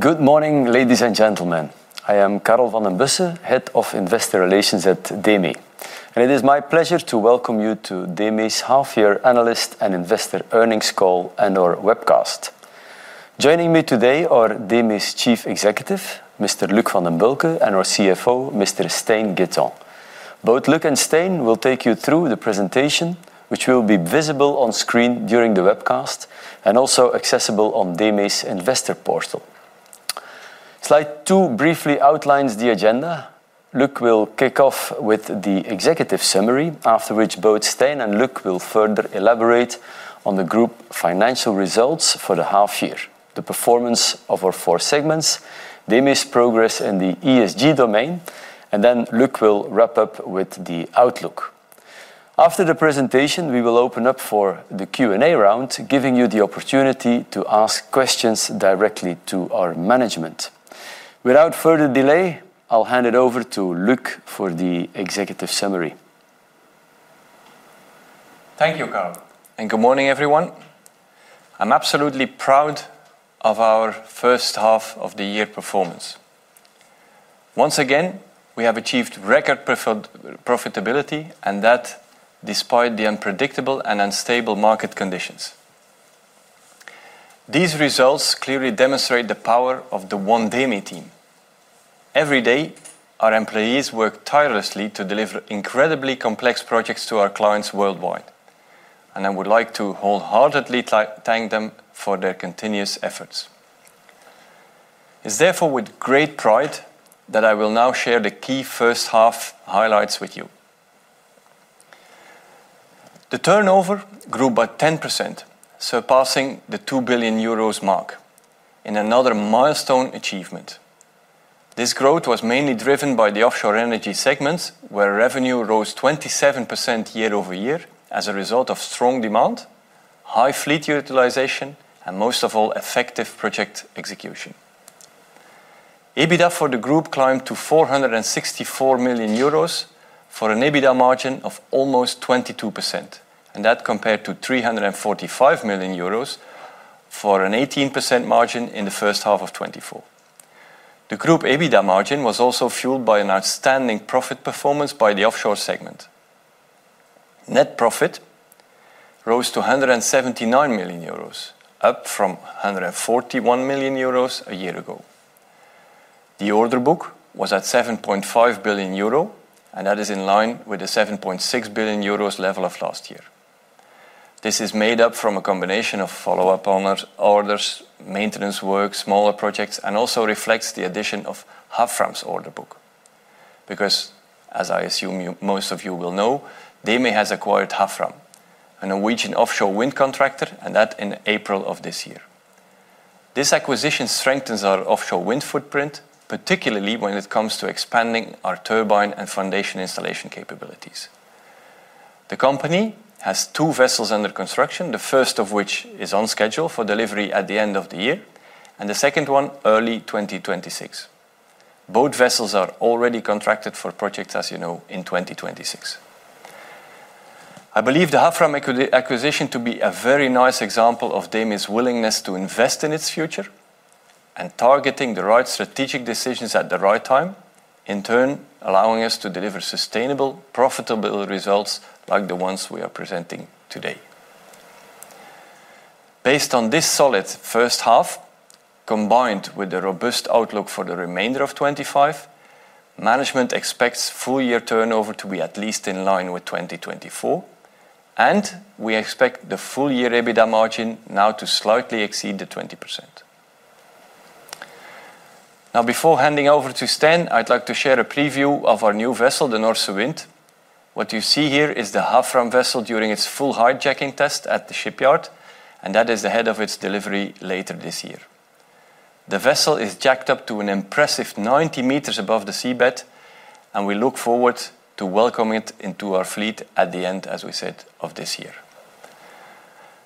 Good morning, ladies and gentlemen. I am Carl Vanden Bussche, Head of Investor Relations at DEME, and it is my pleasure to welcome you to DEME's Half Year Analyst and Investor Earnings Call and Webcast. Joining me today are DEME's Chief Executive. Mr. Luc Vandenbulcke and our CFO, Mr. Stijn Gaytant. Both Luc and Stijn will take you through the presentation, which will be visible on screen during the webcast and also accessible on DEME's Investor portal. Slide 2 briefly outlines the agenda. Luc will kick off with the executive summary, after which both Stijn and Luc will further elaborate on the group financial results for the half year, the performance of our four segments, DEME's progress in the ESG domain, and then Luc will wrap up with the outlook. After the presentation, we will open up for the Q&A round, giving you the opportunity to ask questions directly to our management. Without further delay, I'll hand it over to Luc for the executive summary. Thank you, Carl, and good morning everyone. I'm absolutely proud of our first half of the year performance. Once again, we have achieved record profitability, and that despite the unpredictable and unstable market conditions. These results clearly demonstrate the power of the one DEME team. Every day, our employees work tirelessly to deliver incredibly complex projects to our clients worldwide, and I would like to wholeheartedly thank them for their continuous efforts. It's therefore with great pride that I will now share the key first half highlights with you. The turnover grew by 10%, surpassing the 2 billion euros mark in another milestone achievement. This growth was mainly driven by the offshore energy segments, where revenue rose 27% year-over-year as a result of strong demand, high fleet utilization, and most of all, effective project execution. EBITDA for the group climbed to 464 million euros for an EBITDA margin of almost 22%. That compared to 345 million euros for an 18% margin in first half of 2024. The group EBITDA margin was also fueled by an outstanding profit performance by the offshore segment. Net profit rose to 179 million euros, up from 141 million euros a year ago. The order book was at 7.5 billion euro, and that is in line with the 7.6 billion euros level of last year. This is made up from a combination of follow-up owners' orders, maintenance work, smaller projects, and also reflects the addition of Havfram's order book. Because, as I assume most of you will know, DEME has acquired Havfram, a Norwegian offshore wind contractor, and that in April of this year. This acquisition strengthens our offshore wind footprint, particularly when it comes to expanding our turbine and foundation installation capabilities. The company has two vessels under construction, the first of which is on schedule for delivery at the end of the year and the second one early 2026. Both vessels are already contracted for projects, as you know, in 2026. I believe the Havfram acquisition to be a very nice example of DEME's willingness to invest in its future and targeting the right strategic decisions at the right time, in turn allowing us to deliver sustainable, profitable results like the ones we are presenting today. Based on this solid first half, combined with the robust outlook for the remainder of 2025, management expects full-year turnover to be at least in line with 2024, and we expect the full-year EBITDA margin now to slightly exceed the 20%. Now, before handing over to Stijn, I'd like to share a preview of our new vessel, the Norse Wind. What you see here is the Havfram vessel during its full jacking test at the shipyard, and that is ahead of its delivery later this year. The vessel is jacked up to an impressive 90 m above the seabed, and we look forward to welcoming it into our fleet at the end, as we said, of this year.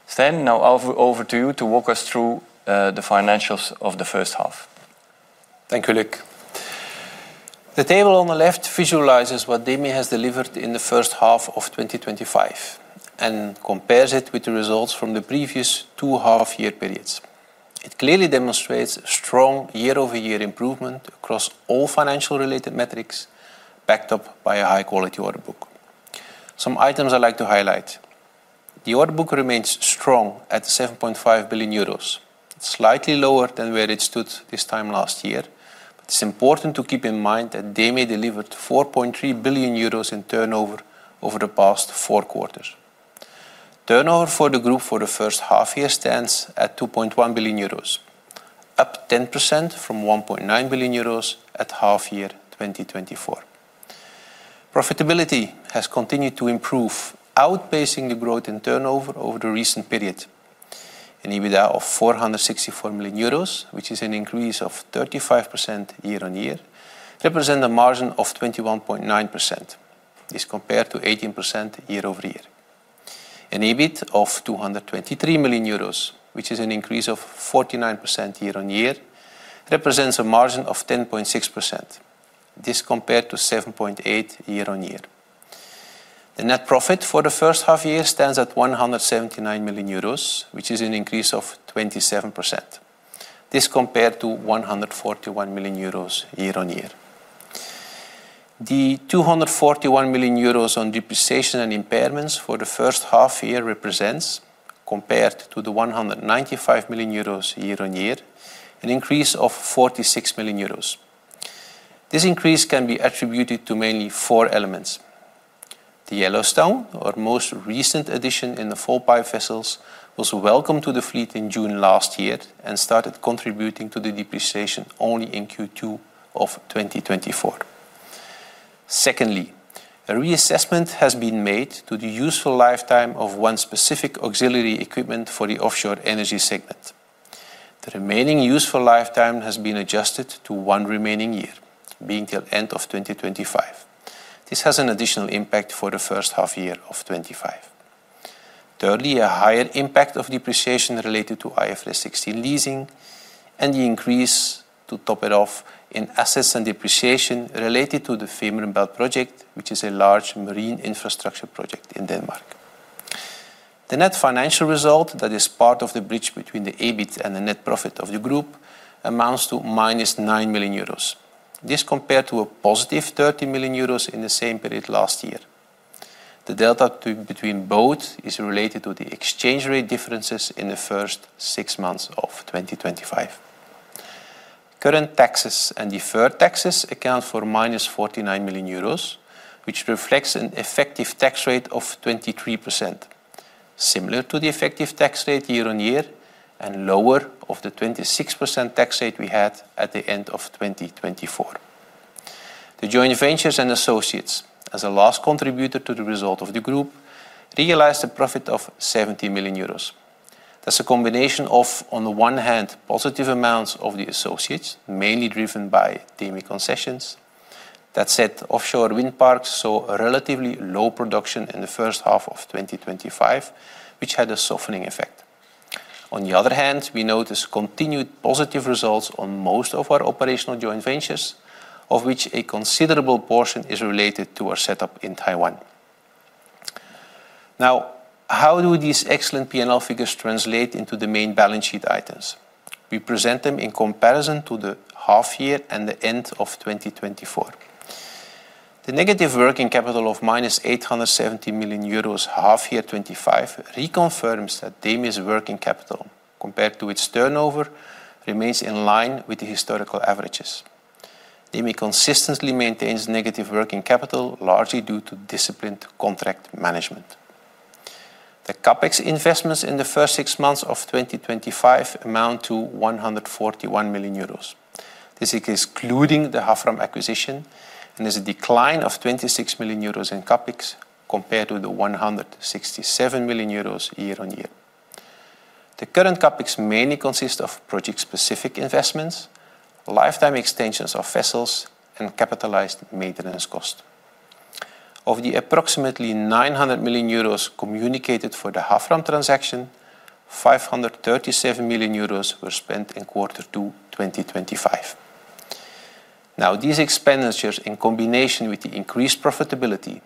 Stijn, now over to you to walk us through the financials of the first half. Thank you. Luc the table on the left visualizes what DEME has delivered in the first half of 2025 and compares it with the results from the previous two half year periods. It clearly demonstrates strong year-over-year improvement across all financial related metrics, backed up by a high quality order book, some items I'd like to highlight. The order book remains strong at 7.5 billion euros, slightly lower than where it stood this time last year. It's important to keep in mind that DEME delivered 4.3 billion euros in turnover over the past four quarters. Turnover for the group for the first half year stands at 2.1 billion euros, up 10% from 1.9 billion euros at half year 2024. Profitability has continued to improve, outpacing the growth in turnover over the recent period. An EBITDA of 464 million euro, which is an increase of 35% year on year, represents a margin of 21.9%. This compared to 18% year-over-year. An EBIT of 223 million euros, which is an increase of 49% year on year, represents a margin of 10.6%. This compared to 7.8% year on year. The net profit for the first half year stands at 179 million euros, which is an increase of 27%. This compared to 141 million euros year on year. The 241 million euros on depreciation and impairments for the first half year represents, compared to the 195 million euros year on year, an increase of 46 million euros. This increase can be attributed to mainly four elements. The Yellowstone, our most recent addition in the fall pipe vessels, was welcomed to the fleet in June last year and started contributing to the depreciation only in Q2 of 2024. Secondly, a reassessment has been made to the useful lifetime of one specific auxiliary equipment for the offshore energy segment. The remaining useful lifetime has been adjusted to one remaining year, being till end of 2025. This has an additional impact for the first half year of 2025. Thirdly, a higher impact of depreciation related to IFRS 16 leasing and the increase, to top it off, in assets and depreciation related to the Fehmarnbelt project, which is a large marine infrastructure project in Denmark. The net financial result that is part of the bridge between the EBIT and the net profit of the group amounts to -9 million euros. This compared to a +30 million euros in the same period last year. The delta between both is related to the exchange rate differences in the first six months of 2025. Current taxes and deferred taxes account for -49 million euros, which reflects an effective tax rate of 23%, similar to the effective tax rate year on year and lower than the 26% tax rate we had at the end of 2024. The joint ventures and associates as a last contributor to the result of the group realized a profit of 70 million euros. That's a combination of, on the one hand, positive amounts of the associates, mainly driven by DEME concessions that set offshore wind parks, saw relatively low production in the first half of 2025, which had a soften. On the other hand, we notice continued positive results on most of our operational joint ventures, of which a considerable portion is related to our setup in Taiwan. Now, how do these excellent P&L figures translate into the main balance sheet items? We present them in comparison to the half year and the end of 2024. The negative working capital of -870 million euros half year 2025 reconfirms that DEME's working capital compared to its turnover remains in line with the historical averages. DEME consistently maintains negative working capital largely due to disciplined contract management. The CAPEX investments in the first six months of 2025 amount to 141 million euros. This is excluding the Havfram acquisition, and there's a decline of 26 million euros in CAPEX compared to the 167 million euros year on year. The current CAPEX mainly consists of project-specific investments, lifetime extensions of vessels, and capitalized maintenance cost. Of the approximately 900 million euros communicated for the Havfram transaction, 537 million euros were spent in Q2 2025. Now these expenditures, in combination with the increased profitability,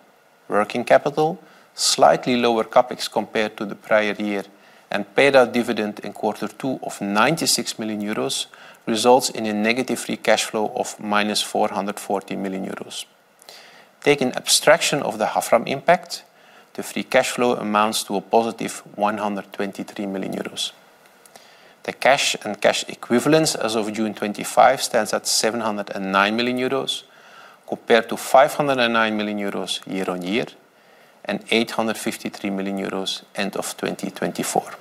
working capital, slightly lower CAPEX compared to the prior year, and paid out dividend in Q2 of 96 million euros, results in a negative free cash flow of - 440 million euros. Take an abstraction of the Havfram impact, the free cash flow amounts to a positive 123 million euros. The cash and cash equivalents as of June 2025 stand at 709 million euros compared to 509 million euros year on year and 853 million euros end of 2024.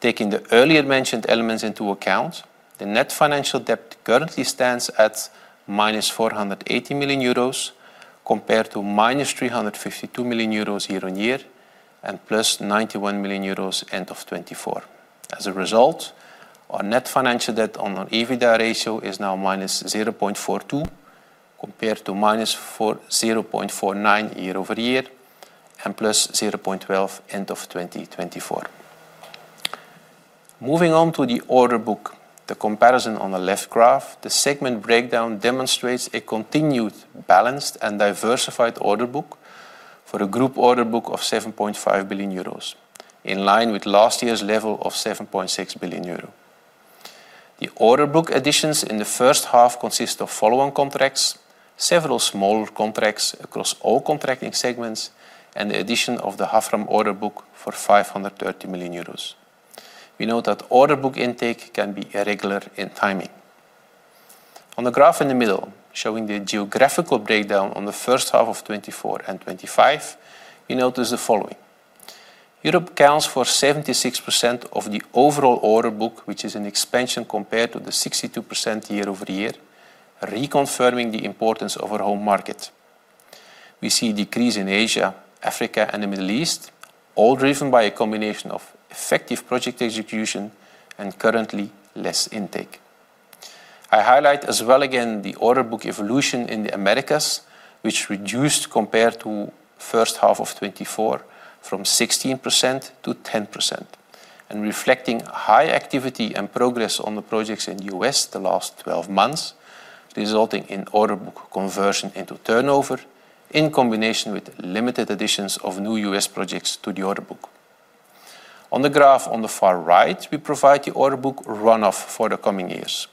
Taking the earlier mentioned elements into account, the net financial debt currently stands at -480 million euros compared to -352 million euros year on year and +91 million euros end of 2024. As a result, our net financial debt on our EBITDA ratio is now -0.42 compared to -0.49 year-over-year and +0.12 end of 2024. Moving on to the order book, the comparison on the left graph, the segment breakdown demonstrates a continued balanced and diversified order book for a group order book of 7.5 billion euros in line with last year's level of 7.6 billion euro. The order book additions in the first half consist of follow on contracts, several small contracts across all contracting segments, and the addition of the Havfram order book for 530 million euros. We note that order book intake can be irregular in timing. On the graph in the middle showing the geographical breakdown on the first half of 2024 and 2025, you notice that Europe accounts for 76% of the overall order book, which is an expansion compared to the 62% year-over-year. Reconfirming the importance of our home market, we see a decrease in Asia, Africa, and the Middle East, all driven by a combination of effective project execution and currently less intake. I highlight as well again the order book evolution in the Americas, which reduced compared to the first half of 2024 from 16% to 10% and reflecting high activity and progress on the projects in the U.S. the last 12 months. This resulting in order book conversion into turnover in combination with limited additions of new U.S. projects to the order book. On the graph on the far right, we provide the order book runoff for the coming years.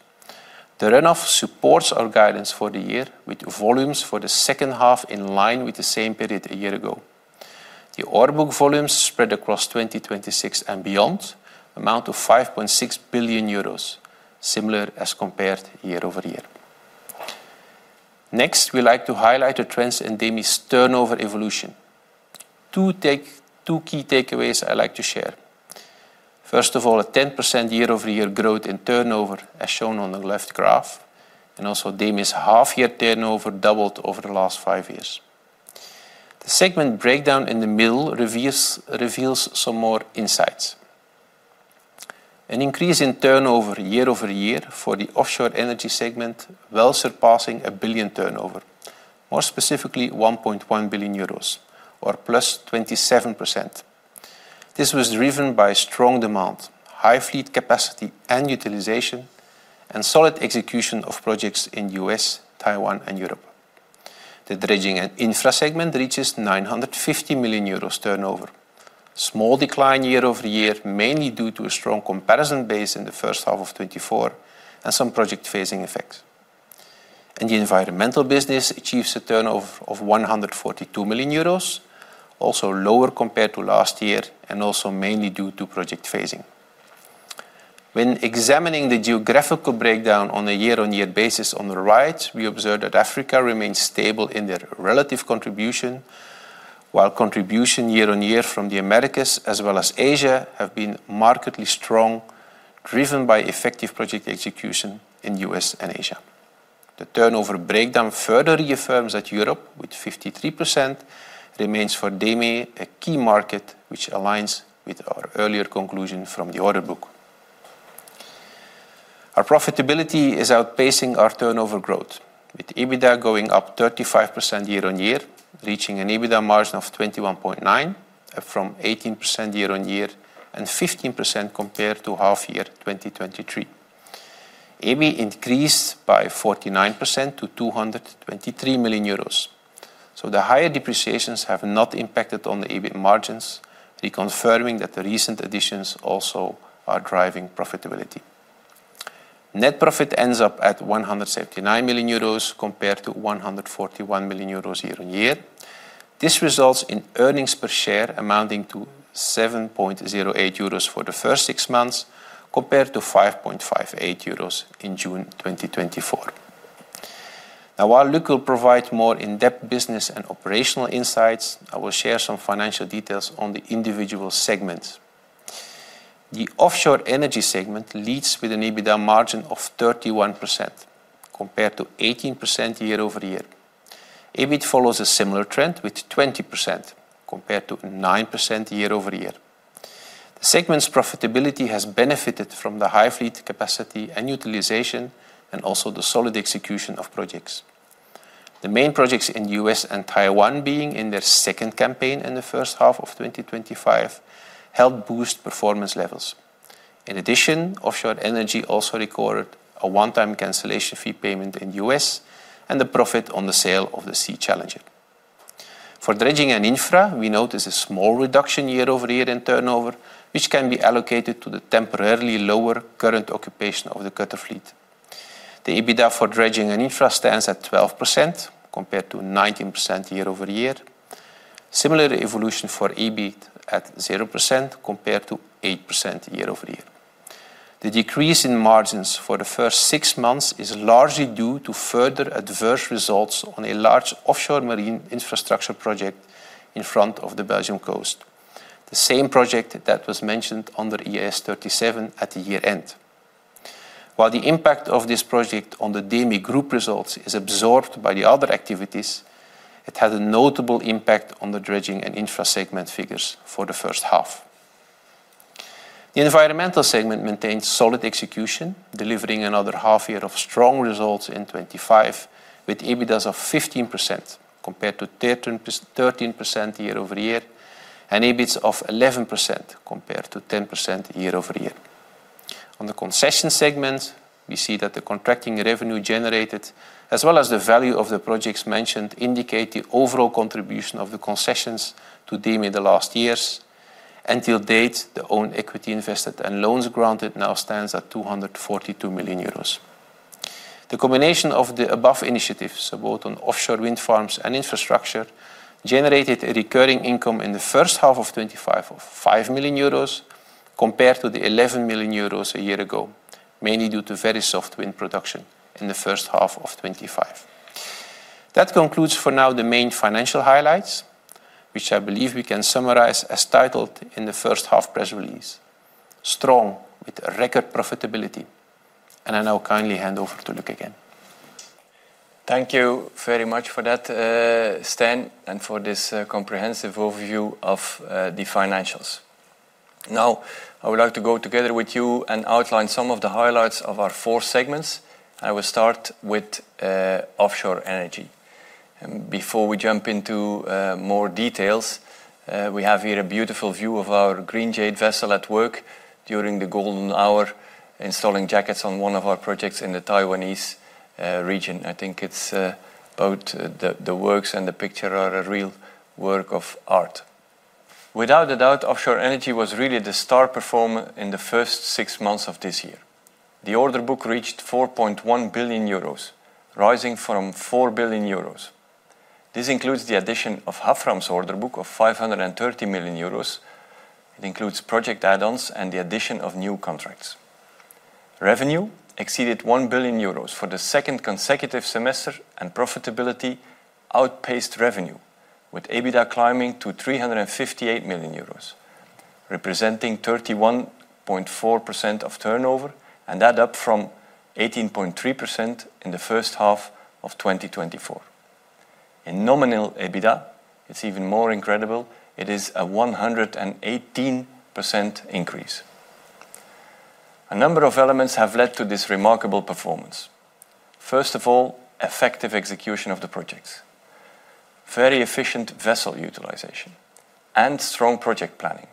The runoff supports our guidance for the year with volumes for the second half in line with the same period a year ago. The order book volumes spread across 2026 and beyond amount to 5.6 billion euros, similar as compared year-over-year. Next, we like to highlight the trends in DEME's turnover evolution. Two key takeaways I like to share: first of all, a 10% year-over-year growth in turnover as shown on the left graph, and also DEME's half year turnover doubled over the last five years. The segment breakdown in the middle reveals some more insights. An increase in turnover year-over-year for the offshore energy segment well surpassing a billion turnover. More specifically, 1.1 billion euros or +27%. This was driven by strong demand, high fleet capacity and utilization, and solid execution of projects in the U.S., Taiwan, and Europe. The dredging and infra segment reaches 950 million euros turnover, small decline year-over-year mainly due to a strong comparison base in first half of 2024 and some project phasing effects, and the environmental business achieves a turnover of 142 million euros, also lower compared to last year and also mainly due to project phasing. When examining the geographical breakdown on a year-on-year basis on the right, we observed that Africa remains stable in their relative contribution, while contribution year-on-year from the Americas as well as Asia have been markedly strong, driven by effective project execution in the U.S. and Asia. The turnover breakdown further reaffirms that Europe, with 53%, remains for DEME a key market, which aligns with our earlier conclusion from the order book. Our profitability is outpacing our turnover growth, with EBITDA going up 35% year-on-year, reaching an EBITDA margin of 21.9% from 18% year-on-year and 15% compared to half year 2023. EBIT increased by 49% to 223 million euros, so the higher depreciations have not impacted on the EBIT margins, reconfirming that the recent additions also are driving profitability. Net profit ends up at 179 million euros compared to 141 million euros year-on-year. This results in earnings per share amounting to 7.08 euros for the first six months compared to 5.58 euros in June 2024. While Luc will provide more in-depth business and operational insights, I will share some financial details on the individual segments. The Offshore Energy segment leads with an EBITDA margin of 31% compared to 18% year-over-year. EBIT follows a similar trend with 20% compared to 9% year-over-year. The segment's profitability has benefited from the high fleet capacity and utilization and also the solid execution of projects. The main projects in the U.S. and Taiwan being in their second campaign in the first half of 2025 helped boost performance levels. In addition, Offshore Energy also recorded a one-time cancellation fee payment in the U.S. and the profit on the sale of the Sea Challenger. For Dredging and Infra, we notice a small reduction year-over-year in turnover, which can be allocated to the temporarily lower current occupation of the Qatar fleet. The EBITDA for Dredging and Infra stands at 12% compared to 19% year-over-year. Similarly, evolution for EBIT at 0% compared to EBITDA 8% year-over-year. The decrease in margins for the first six months is largely due to further adverse results on a large offshore marine infrastructure project in front of the Belgium coast, the same project that was mentioned under EIS 37 at the year end. While the impact of this project on the DEME Group results is absorbed by the other activities, it had a notable impact on the Dredging and Infra segment figures for the first half. The environmental segment maintained solid execution, delivering another half year of strong results in 2025 with EBITDA of 15% compared to 13% year-over-year and EBIT of 11% compared to 10% year-over-year. On the concession segment, we see that the contracting revenue generated as well as the value of the projects mentioned indicate the overall contribution of the concessions to DEME in the last years and till date. The own equity invested and loans granted now stands at 242 million euros. The combination of the above initiatives both on offshore wind farms and infrastructure generated a recurring income in the first half of 2025 of 5 million euros compared to the 11 million euros a year ago, mainly due to very soft wind production in first half of 2025. That concludes for now the main financial highlights, which I believe we can summarize as titled in the first half press release: strong with record profitability, and I now kindly hand over to Luc again. Thank you very much for that Stijn and for this comprehensive overview of the financials. Now I would like to go together with you and outline some of the highlights of our four segments. I will start with Offshore Energy before we jump into more details. We have here a beautiful view of our Green Jade vessel at work during the golden hour installing jackets on one of our projects in the Taiwanese region. I think it's the works and the picture are a real work of art. Without a doubt, Offshore Energy was really the star performer. In the first six months of this year the order book reached 4.1 billion euros, rising from 4 billion euros. This includes the addition of Havfram's order book of 530 million euros. It includes project add-ons and the addition of new contracts. Revenue exceeded 1 billion euros for the second consecutive semester and profitability outpaced revenue with EBITDA climbing to 358 million euros, representing 31.4% of turnover and up from 18.3% in the first half of 2024. In nominal EBITDA, it's even more incredible. It is a 118% increase. A number of elements have led to this remarkable performance. First of all, effective execution of the projects, very efficient vessel utilization and strong project planning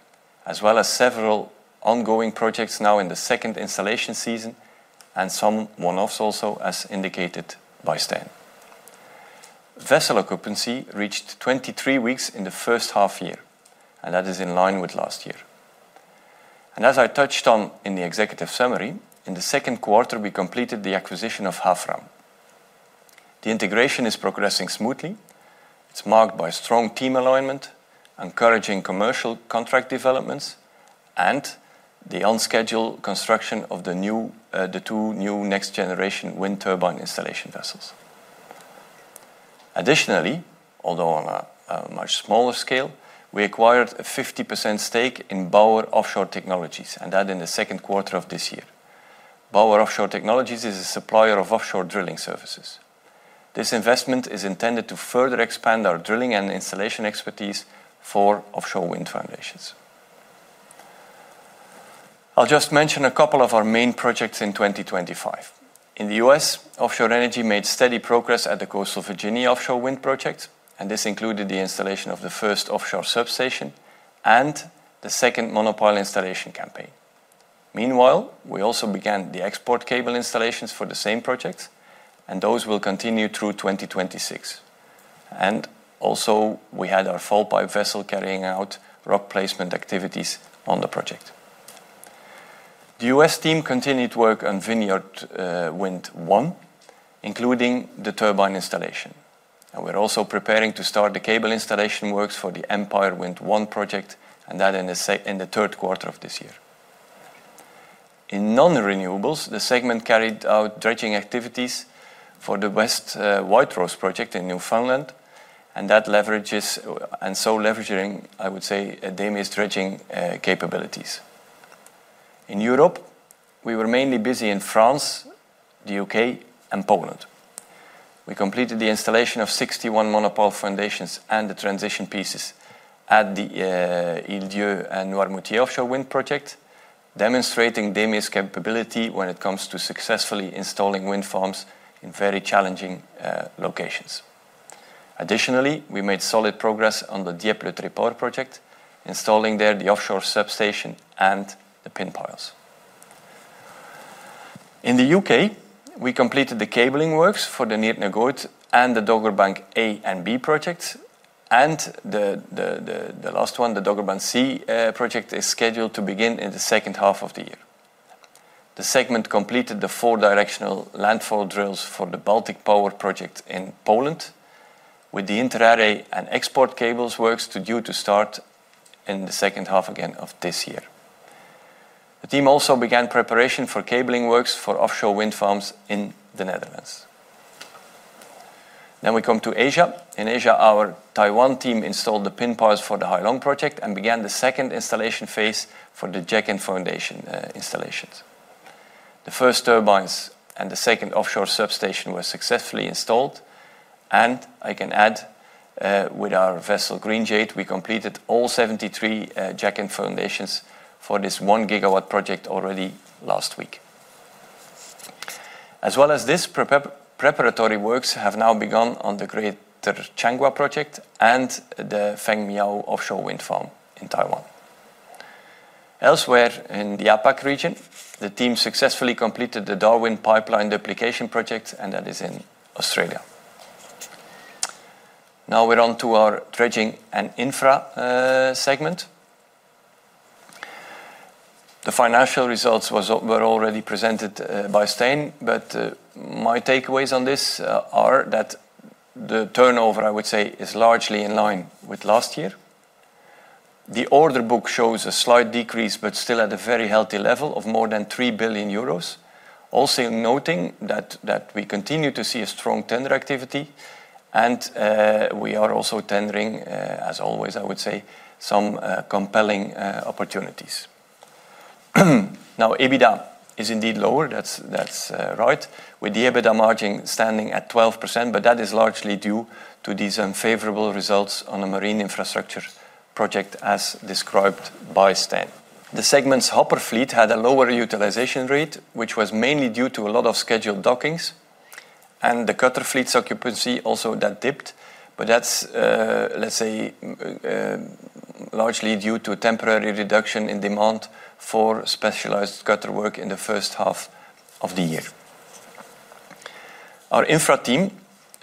as well as several ongoing projects now in the second installation season and some one-offs. Also, as indicated by Stijn, vessel occupancy reached 23 weeks in the first half year and that is in line with last year. As I touched on in the executive summary, in the second quarter we completed the acquisition of Havfram. The integration is progressing smoothly. It's marked by strong team alignment, encouraging commercial contract developments and the on-schedule construction of the two new next generation wind turbine installation vessels. Additionally, although on a much smaller scale, we acquired a 50% stake in BAUER Offshore Technologies and that in the second quarter of this year. BAUER Offshore Technologies is a supplier of offshore drilling services. This investment is intended to further expand our drilling and installation expertise for offshore wind foundations. I'll just mention a couple of our main projects in 2025. In the U.S., Offshore Energy made steady progress at the Coastal Virginia Offshore Wind project and this included the installation of the first offshore substation and the second monopile installation campaign. Meanwhile, we also began the export cable installations for the same project, and those will continue through 2026. We had our fall pipe vessel carrying out rock placement activities on the project. The U.S. team continued work on Vineyard Wind 1, including the turbine installation, and we're also preparing to start the cable installation works for the Empire Wind 1 project in the third quarter of this year. In non-renewables, the segment carried out dredging activities for the West White Rose project in Newfoundland, leveraging DEME's dredging capabilities. In Europe, we were mainly busy in France, the UK, and Poland. We completed the installation of 61 monopile foundations and the transition pieces at the Île d’Yeu and Noirmoutier offshore wind project, demonstrating DEME Group's capability when it comes to successfully installing wind farms in very challenging locations. Additionally, we made solid progress on the Dieppe Le Tréport project, installing there the offshore substation and the pinpiles. In the UK, we completed the cabling works for the Neart na Gaoithe and the Dogger Bank A and B project, and the last one, the Dogger Bank C project, is scheduled to begin in the second half of the year. The segment completed the four directional landfall drills for the Baltic Power project in Poland with the inter-array and export cables. Works are due to start in the second half of this year. The team also began preparation for cabling works for offshore wind farms in the Netherlands. In Asia, our Taiwan team installed the pinpiles for the Hailong project and began the second installation phase for the jacket foundation installations. The first turbines and the second offshore substation were successfully installed, and I can add with our vessel Green Jade. We completed all 73 jacket foundations for this 1 gigawatt project already last week. Preparatory works have now begun on the Greater Changhua project and the Feng Miao offshore wind farm in Taiwan. Elsewhere in the APAC region, the team successfully completed the Darwin pipeline duplication projects, and that is in Australia. Now we're on to our dredging and infra segment. The financial results were already presented by Stijn, but my takeaways on this are that the turnover, I would say, is largely in line with last year. The order book shows a slight decrease but still at a very healthy level of more than 3 billion euros. Also noting that we continue to see a strong tender activity and we are also tendering as always, I would say some compelling opportunities. Now EBITDA is indeed lower. That's right, with the EBITDA margin standing at 12%, but that is largely due to these unfavorable results. On a marine infrastructure project. As described by Stijn, the segment's hopper fleet had a lower utilization rate, which was mainly due to a lot of scheduled dockings, and the Qatar fleet's occupancy also dipped, but that's, let's say, largely due to a temporary reduction in demand for specialized Qatar work. In the first half of the year, our infra team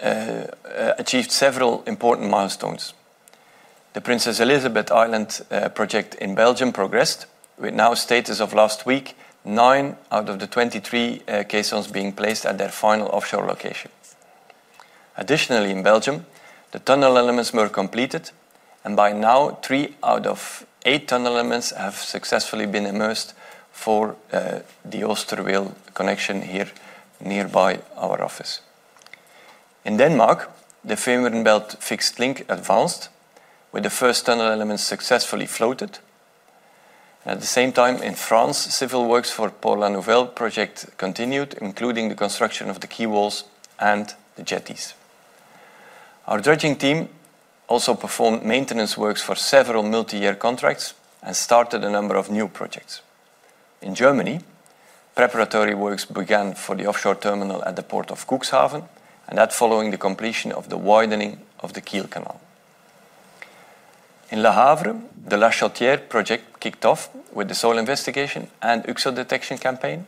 achieved several important milestones. The Princess Elizabeth Island project in Belgium progressed with, now, status of last week, nine out of the 23 caissons being placed at their final offshore location. Additionally, in Belgium, the tunnel elements were completed and by now, three out of eight tunnel elements have successfully been immersed for the Oosterweel connection. Here, nearby our office in Denmark, the Fehmarn Belt Fixed Link advanced with the first tunnel elements successfully floated. At the same time, in France, civil works for the Port-La-Nouvelle project continued, including the construction of the quay walls and the jetties. Our dredging team also performed maintenance works for several multi-year contracts and started a number of new projects. In Germany, preparatory works began for the offshore terminal at the Port of Cuxhaven, and that following the completion of the widening of the Kiel Canal. In Le Havre, the La Chatière project kicked off with the soil investigation and UXO detection campaign.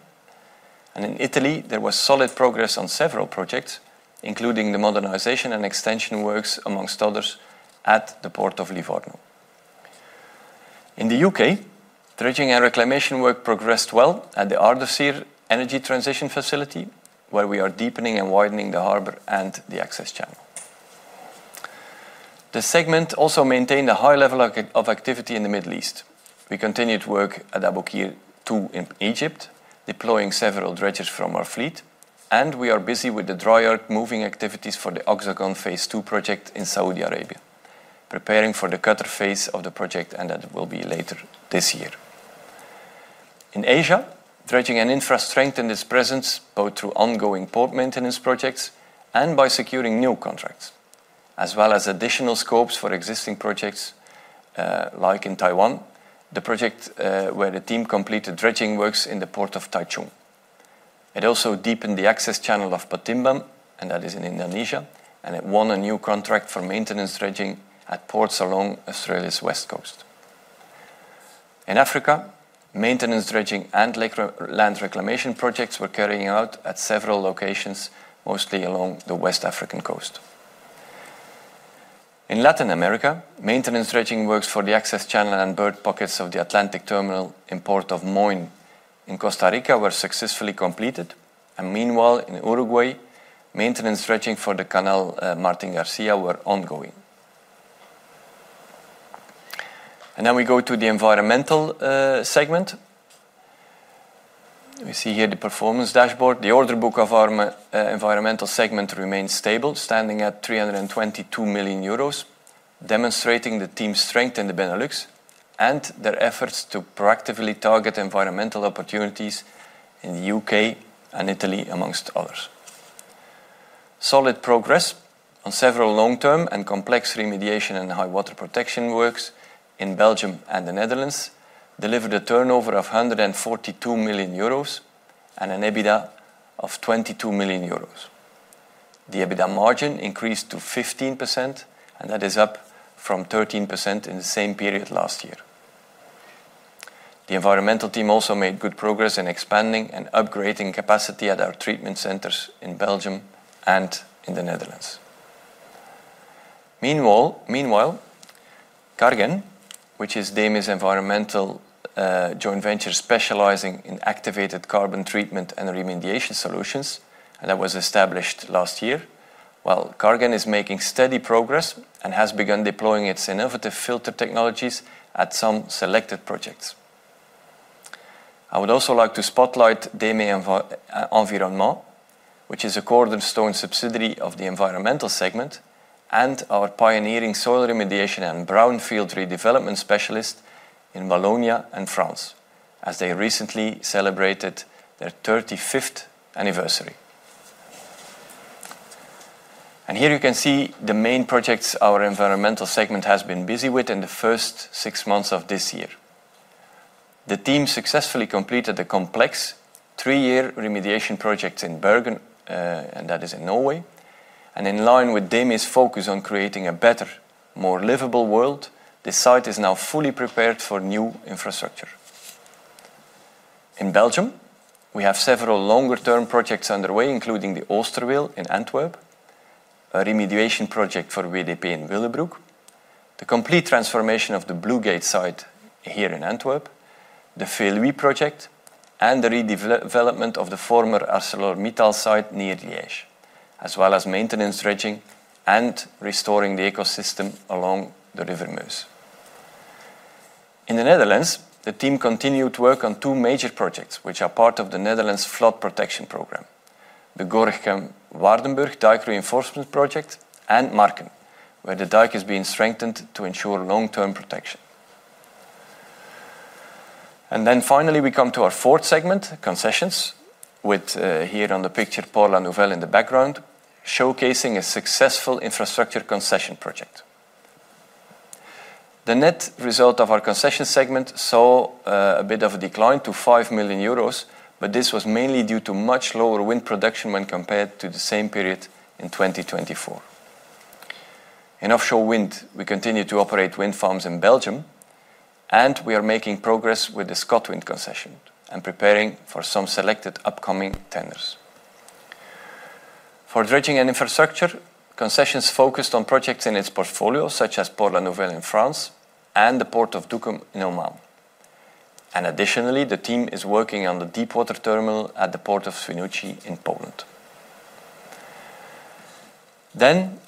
In Italy, there was solid progress on several projects, including the modernization and extension works, amongst others. At the Port of Livorno in the UK, dredging and reclamation work progressed well at the Ardersier Energy Transition facility, where we are deepening and widening the harbor and the access channel. The segment also maintained a high level of activity in the Middle East. We continued work at Aboukir 2 in Egypt, deploying several dredgers from our fleet, and we are busy with the dry yard moving activities for the Oxagon Phase 2 project in Saudi Arabia, preparing for the Qatar phase of the project, and that will be later this year. In Asia, dredging and infra strengthened its presence both through ongoing port maintenance projects and by securing new contracts as well as additional scopes for existing projects like in Taiwan, the project where the team completed dredging works in the port of Taichung. It also deepened the access channel of Patimban, and that is in Indonesia. It won a new contract for maintenance dredging at ports along Australia's west coast. In Africa, maintenance dredging and land reclamation projects were carried out at several locations, mostly along the West African coast. In Latin America, maintenance dredging works for the access channel and bird pockets of the Atlantic terminal in Port of Moyne in Costa Rica were successfully completed. Meanwhile, in Uruguay, maintenance dredging for the canal Martin Garcia was ongoing. Moving to the environmental segment, we see here the performance dashboard. The order book of our environmental segment remains stable, standing at 322 million euros, demonstrating the team's strength in the Benelux and their efforts to proactively target environmental opportunities. In the UK and Italy, among others, solid progress on several long-term and complex remediation and high water protection works in Belgium and the Netherlands delivered a turnover of 142 million euros and an EBITDA of 22 million euros. The EBITDA margin increased to 15%, up from 13% in the same period last year. The environmental team also made good progress in expanding and upgrading capacity at our treatment centers in Belgium and in the Netherlands. Meanwhile, Kargen, which is DEME's environmental joint venture specializing in activated carbon treatment and remediation solutions and that was established last year, is making steady progress and has begun deploying its innovative filter technologies at some selected projects. I would also like to spotlight DEME Environment, which is a cornerstone subsidiary of the environmental segment and our pioneering soil remediation and brownfield redevelopment specialist in Belgium and France, as they recently celebrated their 35th anniversary. Here you can see the main projects our environmental segment has been busy with. In the first six months of this year, the team successfully completed the complex three-year remediation project in Bergen, and that is in Norway. In line with DEME's focus on creating a better, more livable world, the site is now fully prepared for new infrastructure. In Belgium, we have several longer-term projects underway, including the Oosterweel in Antwerp, a remediation project for VDP in Willebroek, the complete transformation of the Blue Gate site here in Antwerp, the VV project, and the redevelopment of the former ArcelorMittal site near Liège, as well as maintenance, dredging, and restoring the ecosystem along the River Maas in the Netherlands. The team continued work on two major projects which are part of the Netherlands flood protection program: the Gorinchem-Waardenburg dike reinforcement project and Marken, where the dike is being strengthened to ensure long-term protection. Finally, we come to our fourth segment, concessions, with here on the picture, Port-La Nouvelle in the background, showcasing a successful infrastructure concession project. The net result of our concession segment saw a bit of a decline to 5 million euros. This was mainly due to much lower wind production when compared to the same period in 2024. In offshore wind, we continue to operate wind farms in Belgium, and we are making progress with the ScotWind concession and preparing for some selected upcoming tenders for dredging and infrastructure concessions focused on projects in its portfolio, such as Port-La Nouvelle in France and the port of Duqm in Oman. Additionally, the team is working on the deepwater terminal at the port of Świnoujście in Poland.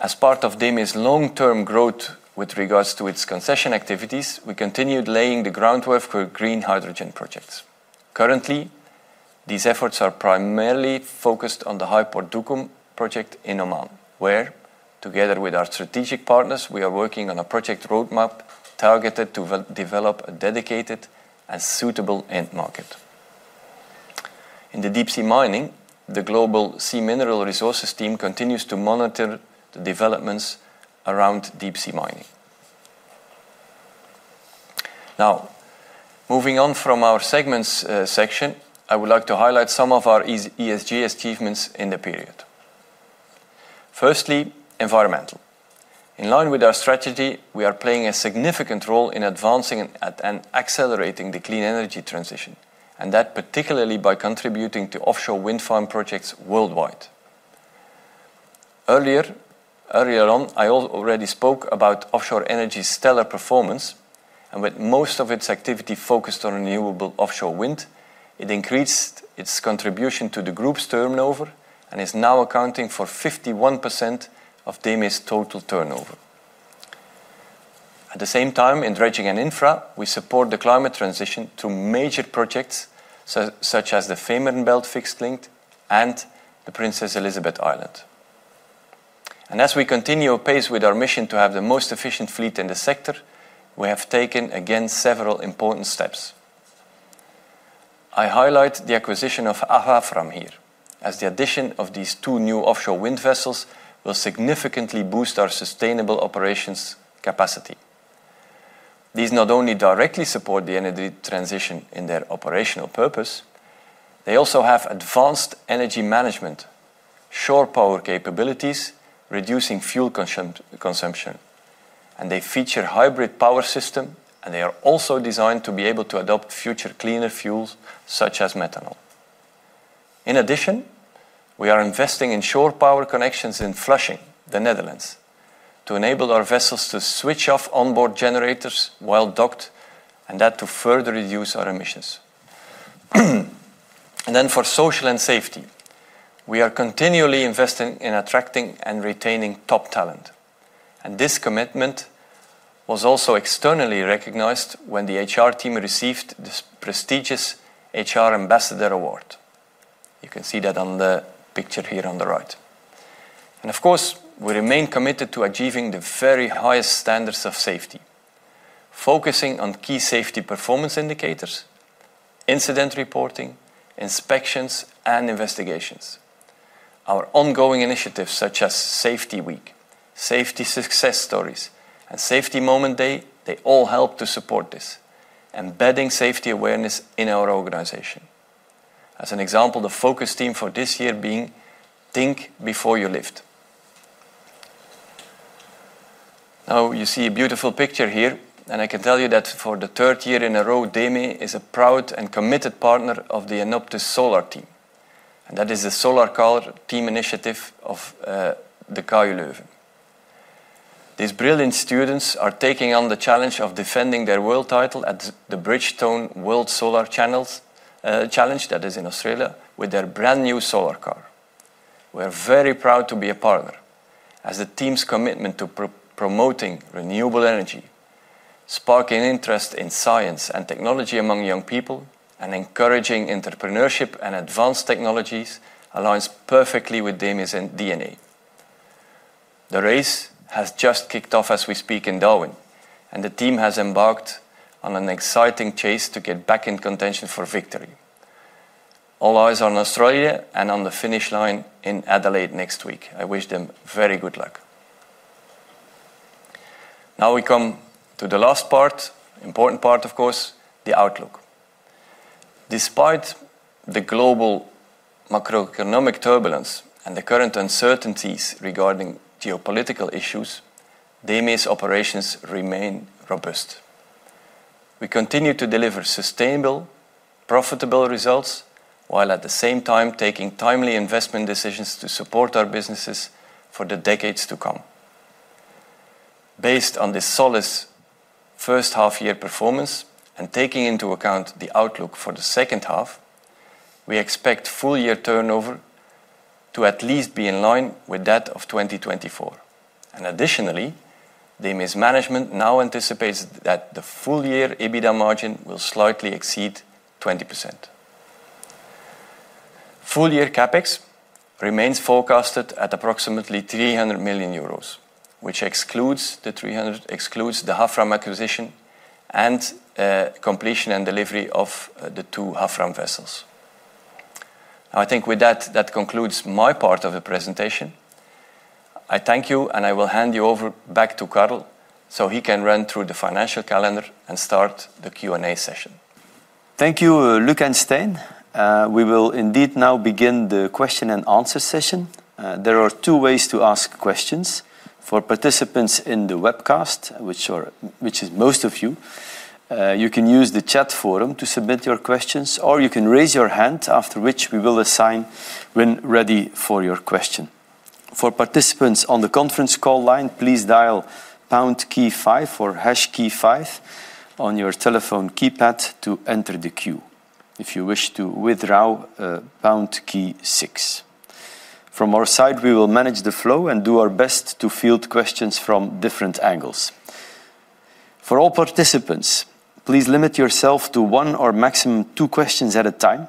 As part of DEME's long-term growth with regards to its concession activities, we continued laying the groundwork for green hydrogen projects. Currently, these efforts are primarily focused on the Hyport Duqm project in Oman, where together with our strategic partners, we are working on a project roadmap targeted to develop a dedicated and suitable end market. In deep sea mining, the Global Sea Mineral Resources team continues to monitor the developments around deep sea mining. Moving on from our segments section, I would like to highlight some of our ESG achievements in the period. Firstly, environmental: in line with our strategy, we are playing a significant role in advancing and accelerating the clean energy transition, particularly by contributing to offshore wind farm projects worldwide. Earlier on I already spoke about offshore energy's stellar performance, and with most of its activity focused on renewable offshore wind, it increased its contribution to the group's turnover and is now accounting for 51% of DEME's total turnover. At the same time, in dredging and infra, we support the climate transition through major projects such as the Fehmarn Belt Fixed Link and the Princess Elizabeth Island. As we continue apace with our mission to have the most efficient fleet in the sector, we have taken again several important steps. I highlight the acquisition of Havfram here, as the addition of these two new offshore wind vessels will significantly boost our sustainable operations capacity. These not only directly support the energy transition in their operational purpose, but they also have advanced energy management shore power capabilities, reducing fuel consumption, and they feature hybrid power systems. They are also designed to be able to adopt future cleaner fuels such as methanol. In addition, we are investing in shore power connections in Flushing, the Netherlands, to enable our vessels to switch off onboard generators while docked and to further reduce our emissions. For social and safety, we are continually investing in attracting and retaining top talent, and this commitment was also externally recognized when the HR team received this prestigious HR Ambassador Award. You can see that on the picture here on the right. Of course, we remain committed to achieving the very highest standards of safety, focusing on key safety performance indicators, incident reporting, inspections, and investigations. Our ongoing initiatives such as Safety Week, Safety Success Stories, and Safety Moment Day all help to support this, embedding safety awareness in our organization. As an example, the focus theme for this year being Think Before You Lift. Now you see a beautiful picture here, and I can tell you that for the third year in a row DEME is a proud and committed partner of the Innoptus Solar Team, and that is the Solar Car Team initiative of the KU Leuven. These brilliant students are taking on the challenge of defending their world title at the Bridgestone World Solar Challenge that is in Australia with their brand new solar car. We're very proud to be a partner as the team's commitment to promoting renewable energy, sparking interest in science and technology among young people, and encouraging entrepreneurship and advanced technologies aligns perfectly with DEME's D&A. The race has just kicked off as we speak in Darwin, and the team has embarked on an exciting chase to get back in contention for victory. All eyes on Australia and on the finish line in Adelaide next week. I wish them very good luck. Now we come to the last part, important part of course, the outlook. Despite the global macroeconomic turbulence and the current uncertainties regarding geopolitical issues, DEME's operations remain robust. We continue to deliver sustainable, profitable results while at the same time taking timely investment decisions to support our businesses for the decades to come. Based on this solid first half year performance and taking into account the outlook for the second half, we expect full year turnover to at least be in line with that of 2024. Additionally, DEME's management now anticipates that the full year EBITDA margin will slightly exceed 20%. Full year CAPEX remains forecasted at approximately 300 million euros, which excludes the Havfram acquisition and completion and delivery of the two Havfram vessels. I think with that, that concludes my part of the presentation. I thank you and I will hand you over back to Carl so he can run through the financial calendar and start the Q and A session. Thank you, Luc and Stijn. We will indeed now begin the question and answer session. There are two ways to ask questions. For participants in the webcast, which is most of you, you can use the chat forum to submit your questions or you can raise your hand, after which we will assign when ready for your question. For participants on the conference call line, please dial Key 5 on your telephone keypad to enter the queue. If you wish to withdraw, from our side, we will manage the flow and do our best to field questions from different angles. For all participants, please limit yourself to one or maximum two questions at a time,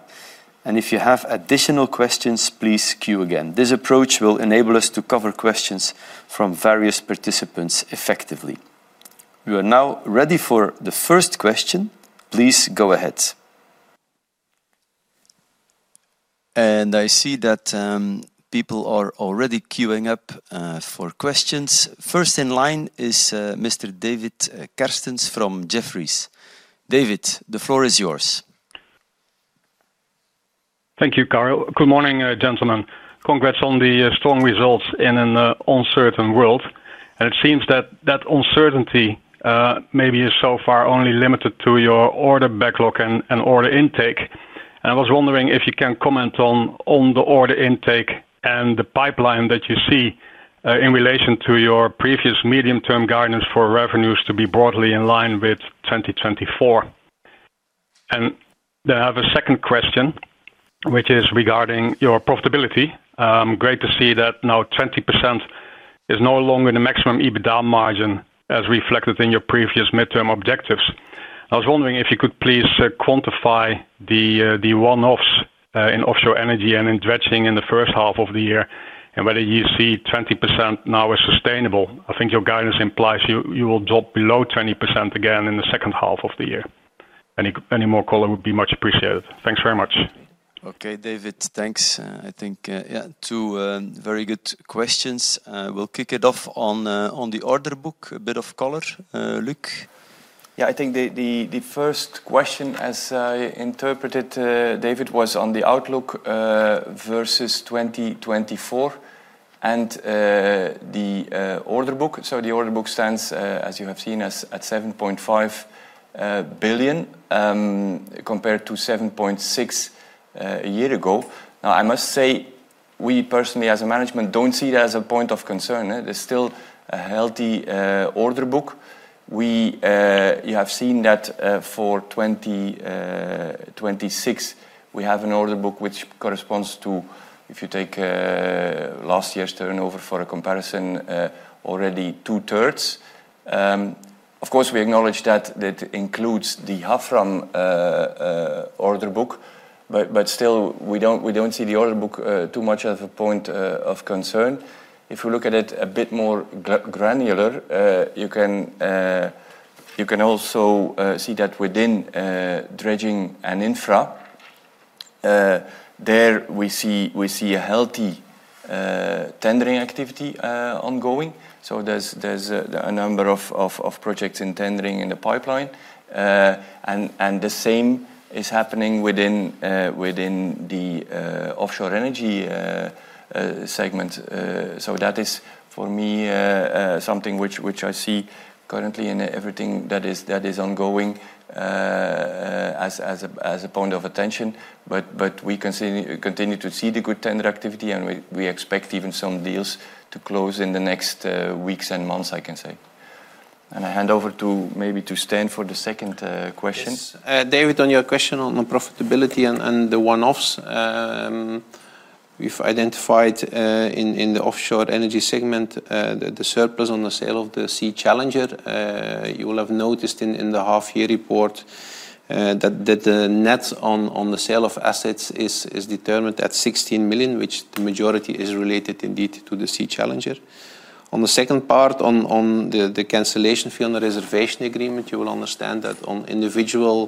and if you have additional questions, please queue again. This approach will enable us to cover questions from various participants effectively. We are now ready for the first question. Please go ahead, and I see that people are already queuing up for questions. First in line is Mr. David Kerstens from Jefferies. David, the floor is yours. Thank you, Carl. Good morning, gentlemen. Congrats on the strong results in an uncertain world. It seems that uncertainty maybe is so far only limited to your order backlog and order intake. I was wondering if you can comment on the order intake and the pipeline that you see in relation to your previous medium-term guidance for revenues to be broadly in line with 2024. I have a second question, which is regarding your profitability. Great to see that now 20% is no longer the maximum EBITDA margin as reflected in your previous midterm objectives. I was wondering if you could please quantify the one-offs in offshore energy and in dredging in the first half of the year and whether you see 20% now as sustainable. I think your guidance implies you will drop below 20% again in the second half of the year. Any more color would be much appreciated. Thanks very much. Okay, David, thanks. I think two very good questions. We'll kick it off on the order book. A bit of color, Luc? Yeah, I think the first question as I interpreted, David, was on the outlook versus 2024 and the order book. The order book stands as you have seen at 7.5 billion compared to 7.6 billion a year ago. Now, I must say we personally as management don't see that as a point of concern. There's still a healthy order book. We have seen that for 2026 we have an order book which corresponds to, if you take last year's turnover for a comparison, already 2/3. Of course, we acknowledge that it includes the Havfram order book, but still we don't see the order book as too much of a point of concern if we look at it a bit more granular. You can also see that within dredging and infra there we see a healthy tendering activity ongoing. There's a number of projects in tendering in the pipeline and the same is happening within the offshore energy segment. That is for me something which I see currently and everything that is ongoing as a point of attention. We continue to see the good tender activity and we expect even some deals to close in the next weeks and months. I can say, and I hand over maybe to Stijn for the second question. David, on your question on profitability and the one offs, we've identified in the offshore energy segment the surplus on the sale of the Sea Challenger. You will have noticed in the half year report that the net on the sale of assets is determined at 16 million, which the majority is related indeed to the Sea Challenger. On the second part on the cancellation fee on the reservation agreement, you will understand that on individual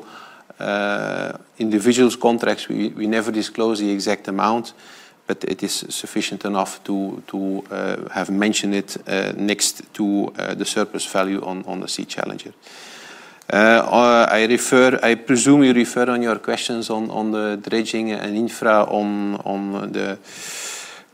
contracts we never disclose the exact amount, but it is sufficient enough to have mentioned it next to the surplus value on the Sea Challenger. I presume you refer on your questions on the dredging and infra on the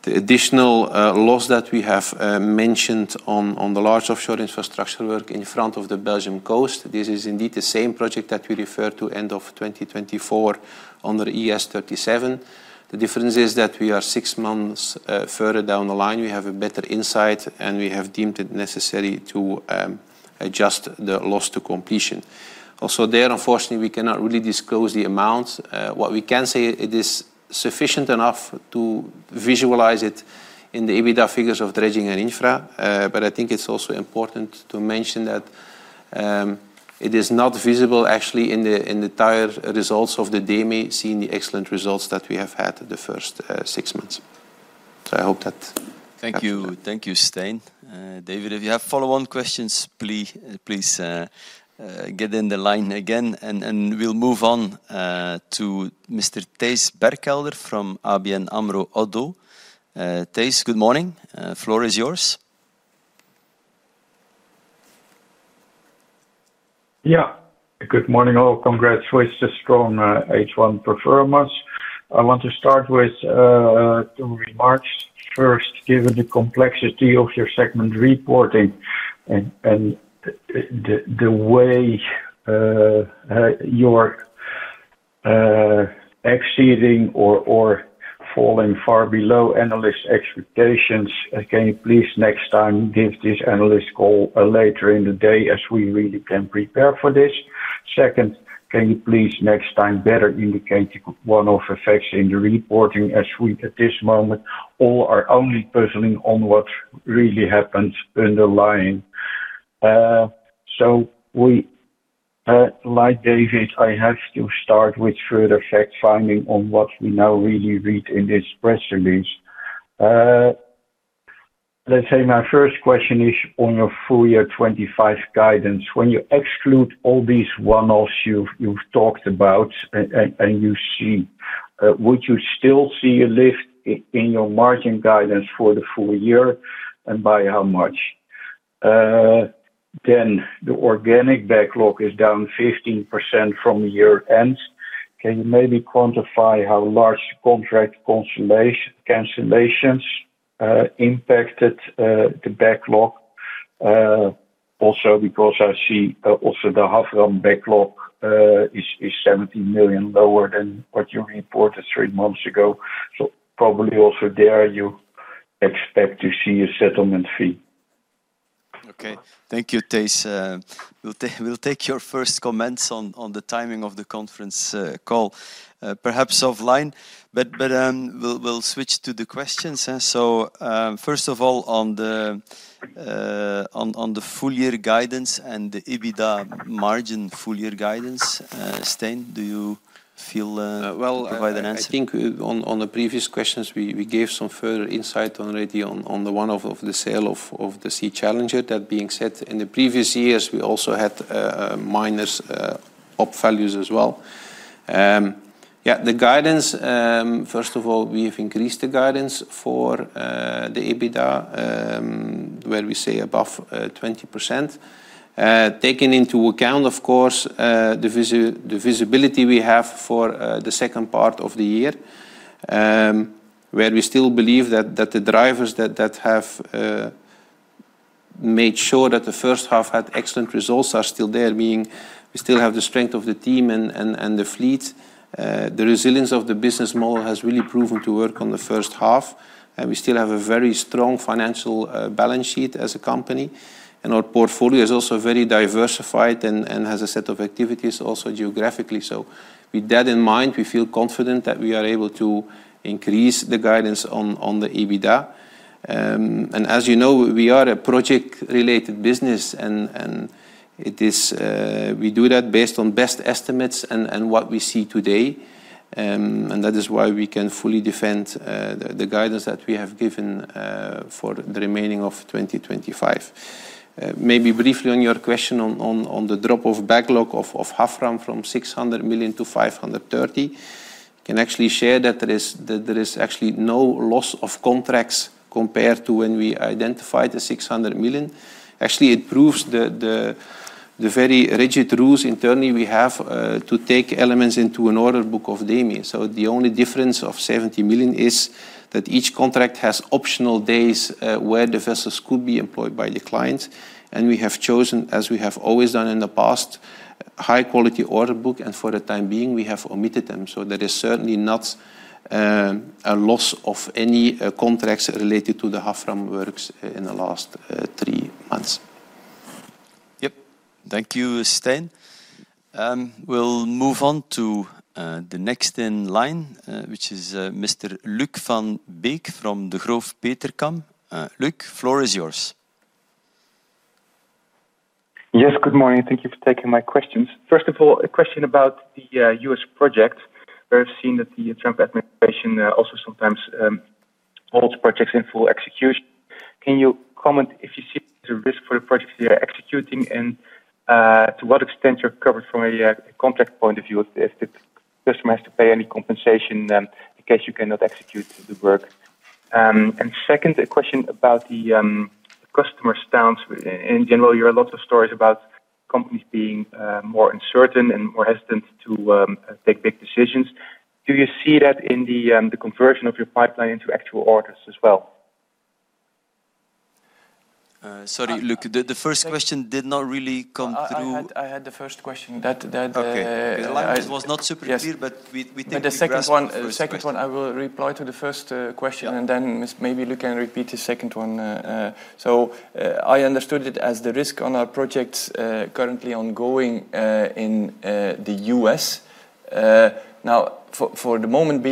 additional loss that we have mentioned on the large offshore infrastructure work in front of the Belgium coast. This is indeed the same project that we refer to end of 2024 under ES 37. The difference is that we are six months further down the line, we have a better insight, and we have deemed it necessary to adjust the loss to completion. Also there, unfortunately, we cannot really disclose the amount. What we can say, it is sufficient enough to visualize it in the EBITDA figures of dredging and infra. I think it's also important to mention that it is not visible actually in the entire results of DEME seeing the excellent results that we have had the first six months, so I hope that. Thank you. Thank you Stijn. If you have follow-on questions, please get in the line again and we'll move on to Mr. Thijs Berkelder from ABN-Amro ODDO. Good morning. Floor is yours. Yeah, good morning all. Congratulations from H1 performance. I want to start with two remarks. First, given the complexity of your segment reporting and the way you're exceeding or falling far below analysts' expectations again, please next time give this analyst call later in the day as we really can prepare for this. Second, can you please next time better indicate one-off effects in the reporting as we at this moment all are only puzzling on what really happens underlying, so we, like David, have to start with further fact finding on what we now really read in this press release. Let's say my first question is on your full-year 2025 guidance. When you exclude all these one-offs you've talked about, would you still see a lift in your margin guidance for the full year and by how much? Then the organic backlog is down 15% from year end. Can you maybe quantify how large contract cancellations impacted the backlog? Also, because I see also the Havfram backlog is 70 million lower than what you reported three months ago, so probably also there you expect to see a settlement fee. Okay, thank you, Thais. We'll take your first comments on the timing of the conference call perhaps of light, but we'll switch to the questions. First of all, on the full year guidance and the EBITDA margin full year guidance, Stijn, do you feel well? I think on the previous questions we gave some further insight already on the one-off of the sale of the Sea Challenger. That being said, in the previous years we also had minus OP values as well the guidance. First of all, we have increased the guidance for the EBITDA where we say above 20% taking into account, of course, the visibility we have for the second part of the year where we still believe that the drivers that have made sure that the first half had excellent results are still there. Meaning we still have the strength of the team and the fleet. The resilience of the business model has really proven to work on the first half, and we still have a very strong financial balance sheet as a company. Our portfolio is also very diversified and has a set of activities also geographically. With that in mind, we feel confident that we are able to increase the guidance on the EBITDA. As you know, we are a project-related business and we do that based on best estimates and what we see today. That is why we can fully defend the guidance that we have given for the remaining of 2025. Maybe briefly on your question on the drop-off backlog of Havfram from 600 million-530 million, I can actually share that there is actually no loss of contracts compared to when we identified the 600 million. Actually, it proves the very rigid rules internally. We have to take elements into an order book of DEME. The only difference of 70 million is that each contract has optional days where the vessels could be employed by the client. We have chosen, as we have always done in the past, high-quality order book and for the time being we have omitted them. There is certainly not a loss of any contracts related to the Havfram works in the last three months. Yep. Thank you, Stijn. We'll move on to the next in line, which is Mr. Luuk Van Beek from the Degroof Petercam. Luc, floor is yours. Yes, good morning. Thank you for taking my questions. First of all, a question about the U.S. project. We have seen that the Trump administration also sometimes holds projects in full execution. Can you comment if you see the risk for the projects they are executing and to what extent you're covered from a complex point of view as the customer has to pay any compensation in case you cannot execute the work? Second, a question about the customer stance in general. You hear lots of stories about companies being more uncertain and more hesitant to take big decisions. Do you see that in the conversion of your pipeline into actual orders as well? Sorry, Luuk, the first question did not really come through. I had the first question. It was not super clear. We think the second one. I will reply to the first question and then maybe you can repeat the second one. I understood it as the risk on our projects currently ongoing in the U.S. For the moment,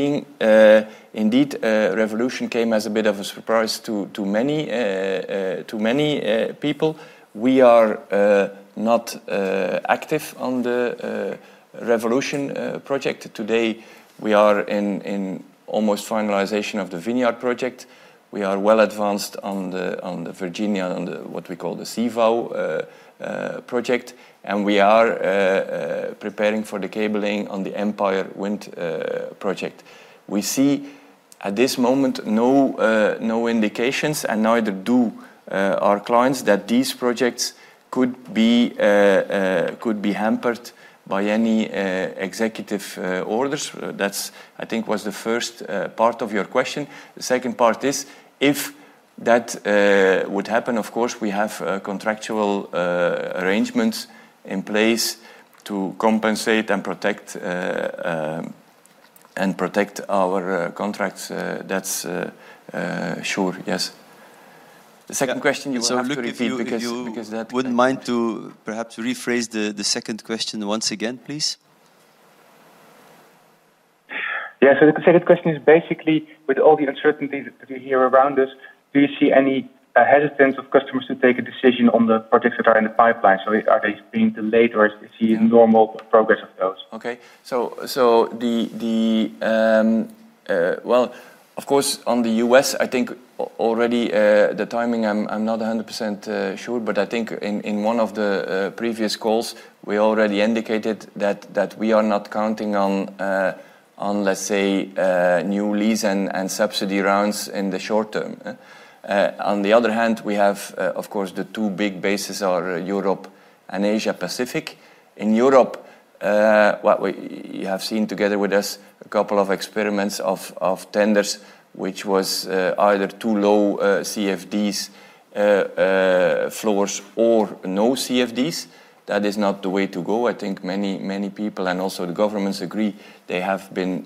indeed, Revolution came as a bit of a surprise to many people. We are not active on the Revolution project today. We are in almost finalization of the Vineyard project. We are well advanced on the Virginia, what we call the CVOW Project, and we are preparing for the cabling on the Empire Wind Project. We see at this moment no indications, and neither do our clients, that these projects could be hampered by any executive orders. I think that was the first part of your question. The second part is if that would happen. Of course, we have contractual arrangements in place to compensate and protect our contracts. That's sure, yes. The second question you have to repeat. Would you mind to perhaps rephrase the second question once again, please. Yeah. The question is basically, with all the uncertainty that we hear around us, do you see any hesitance of customers to take a decision on the projects that are in the pipeline? Are they being delayed or is the normal progress of those? Okay, of course, on the U.S., I think already the timing, I'm not 100% sure, but I think in one of the previous calls, we already indicated that we are not counting on, let's say, new lease and subsidy rounds in the short term. On the other hand, we have, of course, the two big bases are Europe and Asia Pacific. In Europe, what you have seen together with us, a couple of experiments of tenders which was either too low CFDs floors or no CFDs. That is not the way to go. I think many, many people and also the governments agree they have been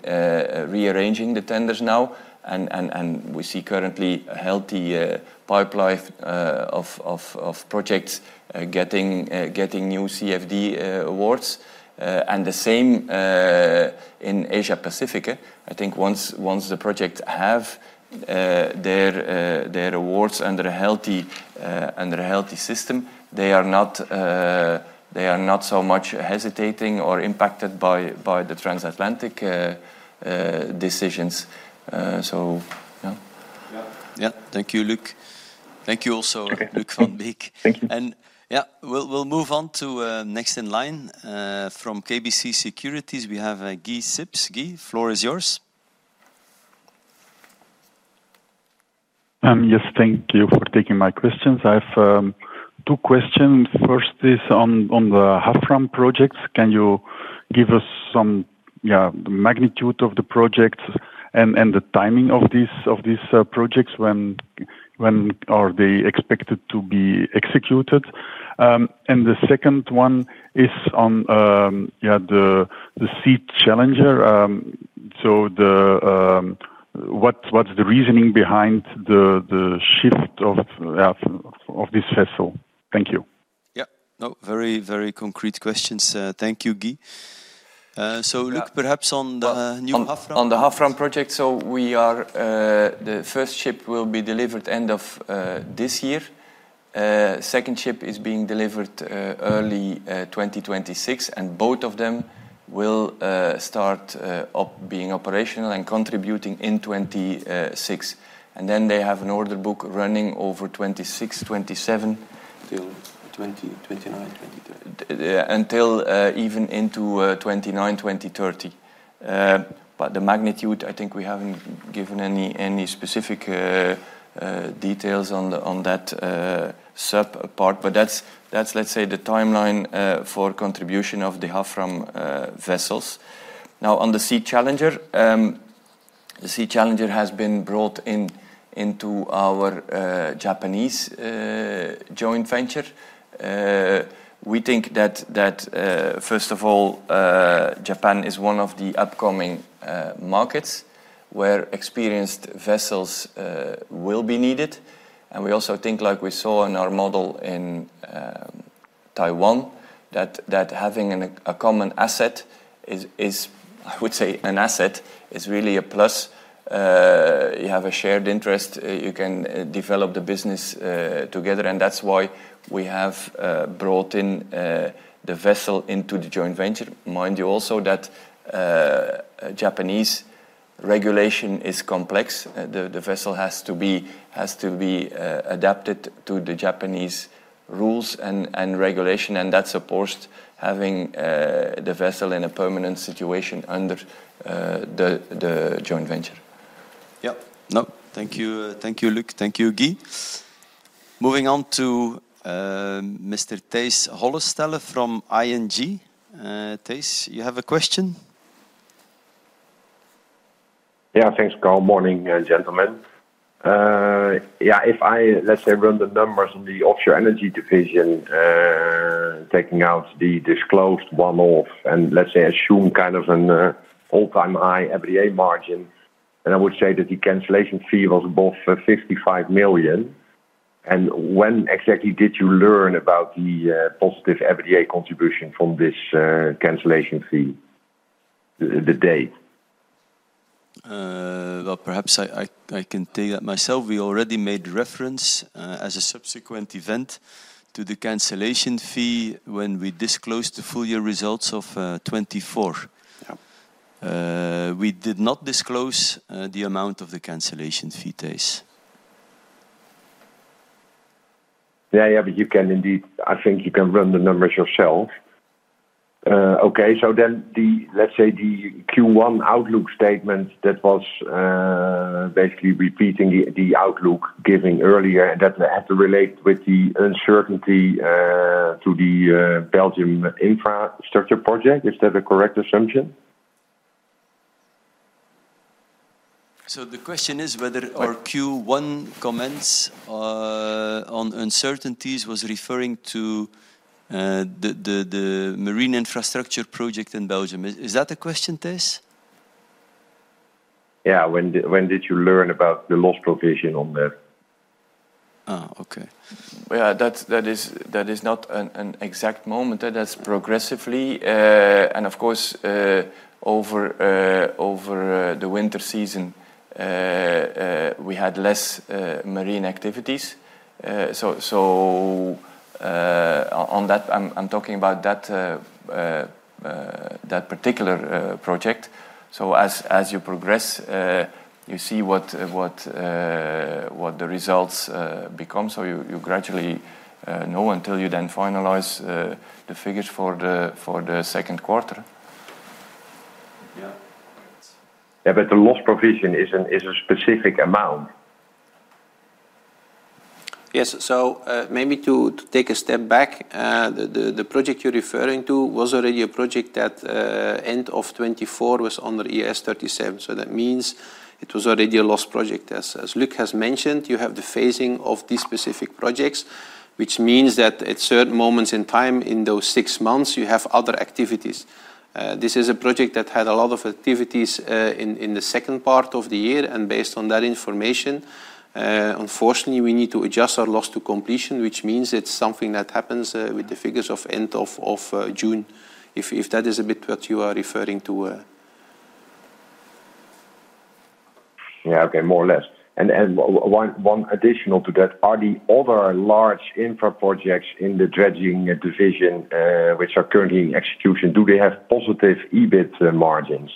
rearranging the tenders now, and we see currently a healthy pipeline of projects getting new CFD awards and the same in Asia Pacific. I think once the project have their awards under a healthy system, they are not so much hesitating or impacted by the transatlantic decisions. Yeah. Yeah. Thank you, Luc. Thank you. Also Luuk Van Beek. We'll move on to next in line from KBC Securities, we have Guy Sips. Guy, floor is yours. Yes, thank you for taking my questions. I have two questions. First is on the Havfram projects. Can you give us some magnitude of the projects and the timing of these projects? When are they expected to be executed? The second one is on the Sea Challenger. What's the reasoning behind the shift of this vessel? Thank you. Yeah, no, very, very concrete questions. Thank you, Guy. Luc, perhaps on the new. On the Havfram project, we are. The first ship will be delivered end of this year. The second ship is being delivered early 2026, and both of them will start being operational and contributing in 2026. They have an order book running over 2026, 2027, till 2029, until even into 2029, 2030. The magnitude, I think we haven't given any specific details on that sub part. That's, let's say, the timeline for contribution of the Havfram vessels. Now, on the Sea Challenger, the Sea Challenger has been brought into our Japanese joint venture. We think that, first of all, Japan is one of the upcoming markets where experienced vessels will be needed. We also think, like we saw in our model in Taiwan, that having a common asset is, I would say, an asset is really a plus. You have a shared interest, you can develop the business together. That's why we have brought in the vessel into the joint venture. Mind you also that Japanese regulation is complex. The vessel has to be adapted to the Japanese rules and regulation, and that supports having the vessel in a permanent situation under the joint venture. Yep. No, thank you. Thank you, Luc. Thank you, Guy. Moving on to Mr. Tijs Hollestelle from ING. You have a question? Yeah. Thanks, Carl. Morning, gentlemen. If I run the numbers in the offshore energy division, taking out the disclosed one, or assume kind of an all-time high EBITDA margin, I would say that the cancellation fee was above 55 million. When exactly did you learn about the positive EBITDA contribution from this cancellation fee? The date. Perhaps I can take that myself. We already made reference as a subsequent event to the cancellation fee. When we disclosed the full year results of 2024, we did not disclose the amount of the cancellation fee days. Yeah, you can indeed. I think you can run the numbers yourself. Okay, so the Q1 outlook statement was basically repeating the outlook given earlier, that had to relate with the uncertainty to the Belgium infrastructure project. Is that the correct assumption? The question is whether Q1 comments on uncertainties was referring to the marine infrastructure project in Belgium. Is that a question, Tijs? Yeah, when did you learn about the loss location on there? Okay, yeah, that is not an exact moment. That's progressively, and of course, over the winter season we had less marine activities. On that, I'm talking about that particular project. As you progress, you see what the results become. You gradually know until you then finalize the figures for the second quarter. Yeah, the loss provision isn't a specific amount. Yes. Maybe to take a step back. The project you're referring to was already end of 2024, was under ES 37. That means it was already a lost project. As Luc has mentioned, you have the phasing of these specific projects, which means that at certain moments in time, in those six months you have other activities. This is a project that had a lot of activities in the second part of the year. Based on that information, unfortunately we need to adjust our loss to completion, which means it's something that happens with the figures of end of June, if that is a bit what you are referring to. Yeah, okay. More or less. One additional to that, are the other large infra projects in the dredging division which are currently in execution, do they have positive EBIT margins?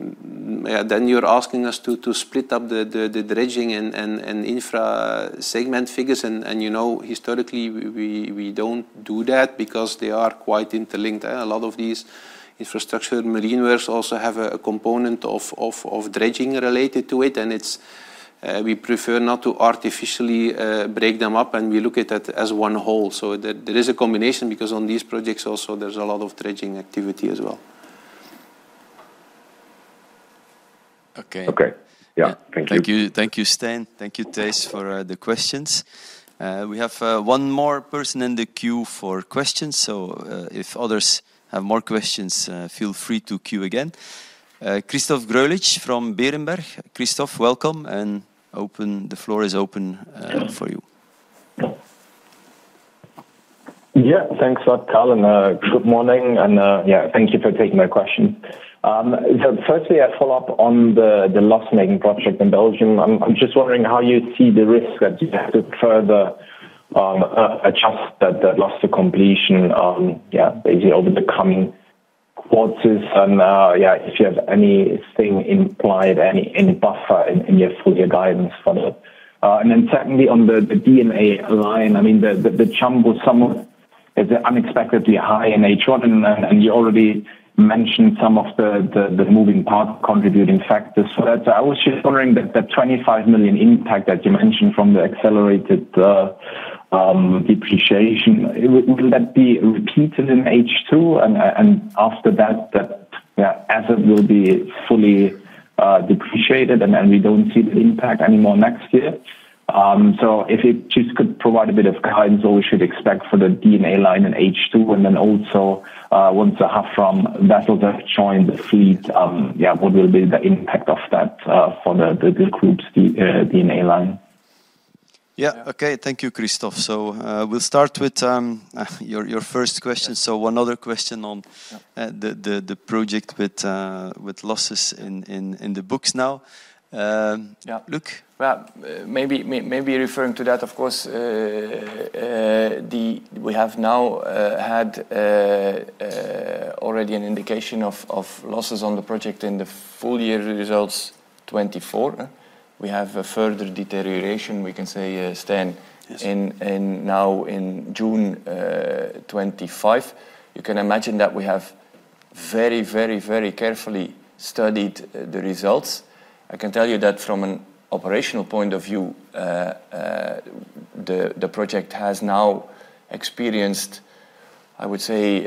You're asking us to split up the dredging and infra segment figures. Historically, we don't do that because they are quite interlinked, and a lot of these infrastructure marine waves also have a component of dredging related to it. We prefer not to artificially break them up, and we look at that as one whole. There is a combination because on these projects also there's a lot of dredging activity as well. Okay. Okay, yeah. Thank you, Stijn. Thank you, Tijs, for the questions. We have one more person in the queue for questions. If others have more questions, feel free to queue again. Christoph Greulich from Berenberg. Christoph, welcome and open. The floor is open for you. Yeah, thanks a lot Carl and good morning, and yeah, thank you for taking my question. Firstly, I follow up on the loss making project in Belgium. I'm just wondering how you see the risk and further a chance that loss to completion basically over the coming quarters, and if you have anything implied, any buffer in your full year guidance for that. Secondly, on the D&A line, I mean the jumble somewhat is unexpectedly high in H1, and you already mentioned some of the moving part of contributing factors for that. I was just wondering, that 25 million impact that you mentioned from the accelerated depreciation, will that be repeated in H2? After that, Ethan will be fully depreciated and we don't see the impact anymore next year. If you could just provide a bit of guidance, what we should expect for the D&A line in H2, and then also once the Havfram vessels have joined the fleet, what will be the impact of that for the group's D&A last year? Yeah, okay, thank you Christoph. We'll start with your first question. One other question on the project with losses in the books now, Luc. Referring to that, of course we have now had already an indication of losses on the project in the full year results. In 2024 we have a further deterioration we can say, Stijn, and now in June 2025, you can imagine that we have very, very, very carefully studied the results. I can tell you that from an operational point of view, the project has now experienced, I would say,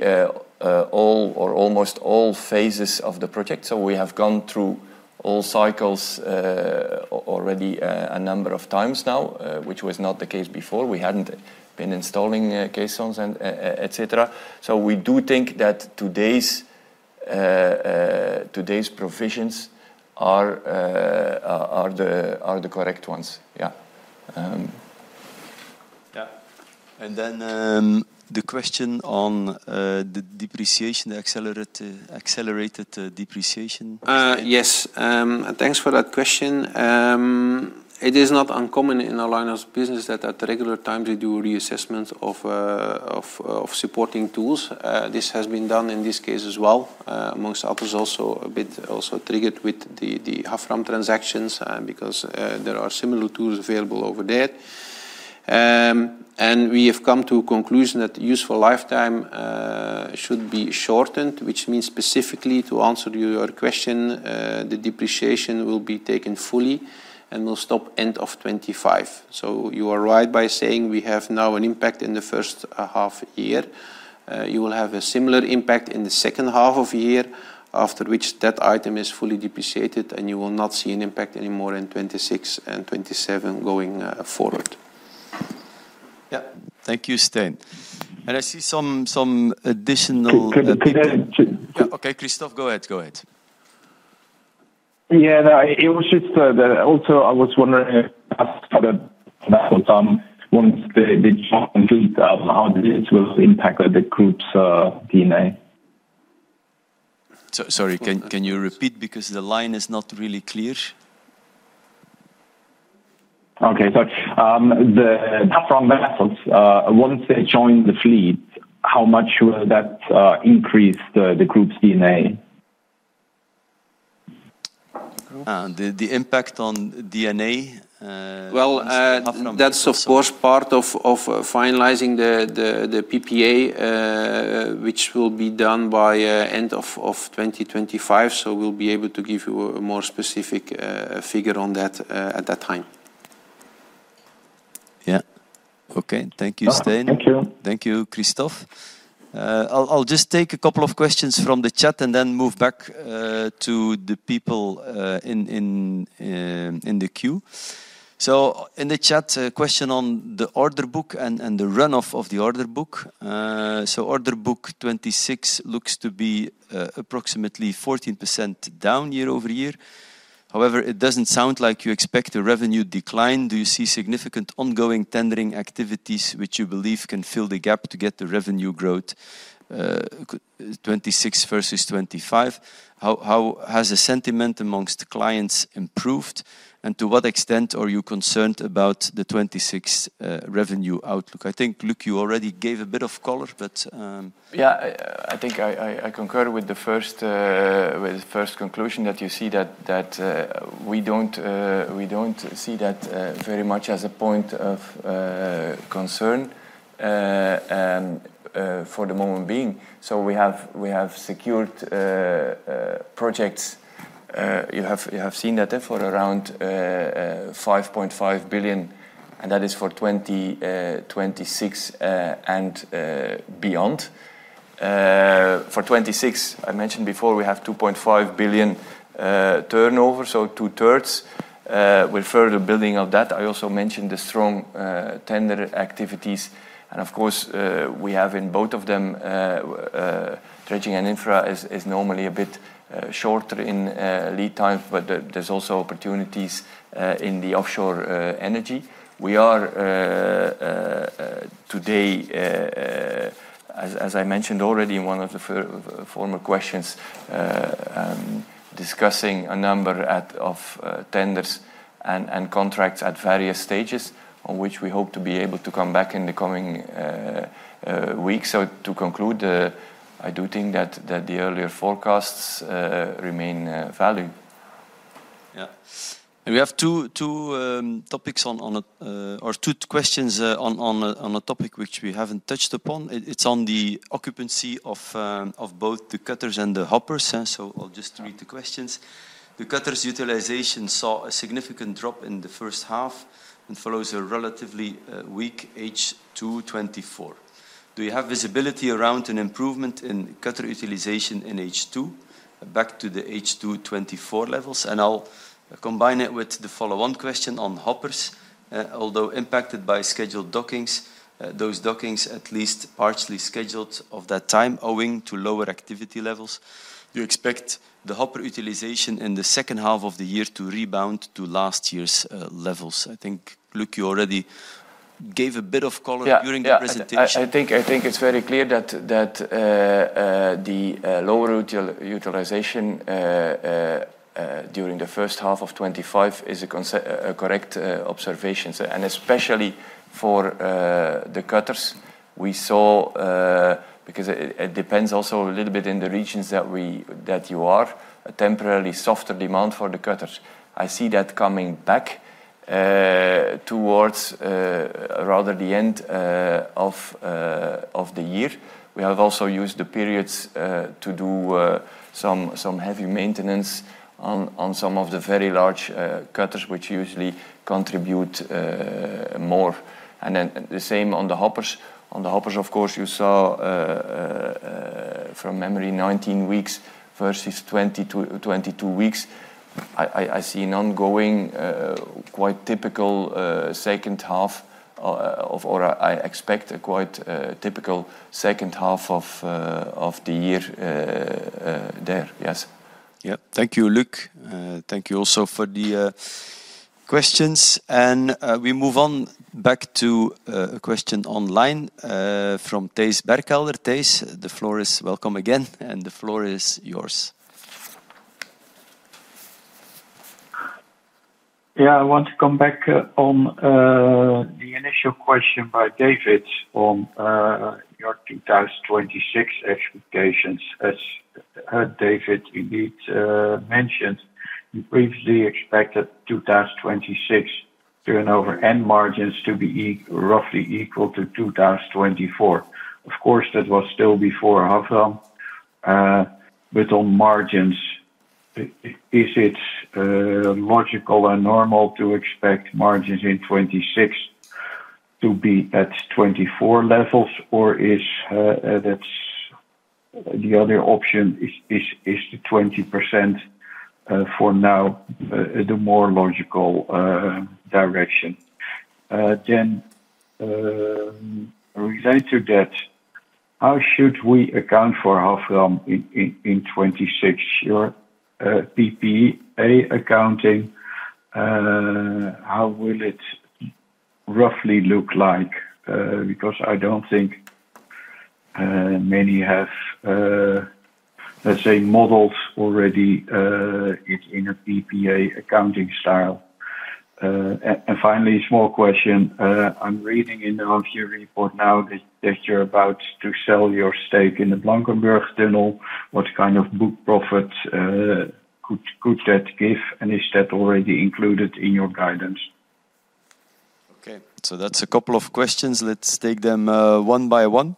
all or almost all phases of the project. We have gone through all cycles already a number of times now, which was not the case before. We hadn't been installing caissons and etc. We do think that today's provisions are the correct ones. Yeah. The question on the depreciation, the accelerated depreciation. Yes, thanks for that question. It is not uncommon in our line of business that at regular times we do reassessments of supporting tools. This has been done in this case as well. Most others also a bit also triggered with the Havfram transactions because there are similar tools available over there. We have come to a conclusion that useful lifetime should be shortened, which means specifically to answer your question, the depreciation will be taken fully and will stop end of 2020. You are right by saying we have now an impact in the first half year. You will have a similar impact in the second half of year, after which that item is fully depreciated and you will not see an impact anymore in 2026 and 2027 going forward. Thank you, Stijn. I see some additional. Okay, Christoph, go ahead. Yeah, I was just wondering once the job completes, how it will impact the group's D&A. Sorry, can you repeat because the line is not really clear. Okay, so the Havfram vessels, once they join the fleet, how much will that increase the group's D&A? is the impact on D&A? That's of course part of finalizing the PPA, which will be done by the end of 2025. We'll be able to give you a more specific figure on that at that time. Yeah, okay, thank you, Stijn. Thank you. Thank you, Christoph. I'll just take a couple of questions from the chat and then move back to the people in the queue. In the chat, a question on the order book and the runoff of the order book. Order book 2026 looks to be approximately 14% down year-over-year. However, it doesn't sound like you expect a revenue decline. Do you see significant ongoing tendering activities which you believe can fill the gap to get the revenue growth 2026 versus 2025? How has the sentiment amongst clients improved and to what extent are you concerned about the 2026 revenue outlook? I think, Luc, you already gave a bit of color, but. Yeah, I think. I concur with the first conclusion that you see that we don't see that very much as a point of concern for the moment being, so we have secured projects. You have seen that for around 5.5 billion and that is for 2026 and beyond. For 2026, I mentioned before we have 2.5 billion turnover, so 2/3. We're further building out that. I also mentioned the strong tender activities. Of course, we have in both of them dredging and infra is normally a bit shorter in lead times, but there's also opportunities in the offshore energy. We are today, as I mentioned already in one of the former questions, discussing a number of tenders and contracts at various stages on which we hope to be able to come back in the coming weeks. To conclude, I do think that the earlier forecasts remain valid. Yeah. We have two topics or two questions on a topic which we haven't touched upon. It's on the occupancy of both the cutters and the hoppers. I'll just read the questions. The cutters utilization saw a significant drop in the first half and follows a relatively weak H2 2024. Do you have visibility around an improvement in cutter utilization in H2, back to the H2 2024 levels? I'll combine it with the follow-on question on hoppers. Although impacted by scheduled dockings, those dockings at least partially scheduled at that time, owing to lower activity levels, do you expect the hopper utilization in the second half of the year to rebound to last year's levels? I think, Luc, you already gave a bit of color during the presentation. I think it's very clear that the lower utilization during first half of 2025 is a correct observation. Especially for the cutters we saw, because it depends also a little bit in the regions that you are a temporarily softer demand for the cutters. I see that coming back towards rather the end of the year. We have also used the periods to do some heavy maintenance on some of the very large cutters, which usually contribute more, and then the same on the hoppers. On the hoppers, of course, you saw from memory 19 weeks versus 22 weeks. I see an ongoing quite typical second half of, or I expect a quite typical second half of the year there. Yes. Thank you, Luc. Thank you also for the questions. We move on back to a question online from Thijs Berkelder. Thijs, the floor is welcome again and the floor is yours. Yeah. I want to come back on the initial question by David on your 2026 expectations. As David indeed mentioned, you previously expected 2026 turnover and margins to be roughly equal to 2024. Of course, that was still before Havfram. On margins, is it logical and normal to expect margins in 2026 to be at 2024 levels, or is that the other option? Is the 20% for now the more logical direction? Then related to that, how should we account for Havfram in 2026, your PPA accounting, how will it roughly look like? I don't think many have, let's say, models already. It's in a PPA accounting style. Finally, small question, I'm reading in your report now that you're about to sell your stake in the Blankenburg Tunnel. What kind of book profits could that give and is that already included in your guidance? Okay, that's a couple of questions. Let's take them one by one.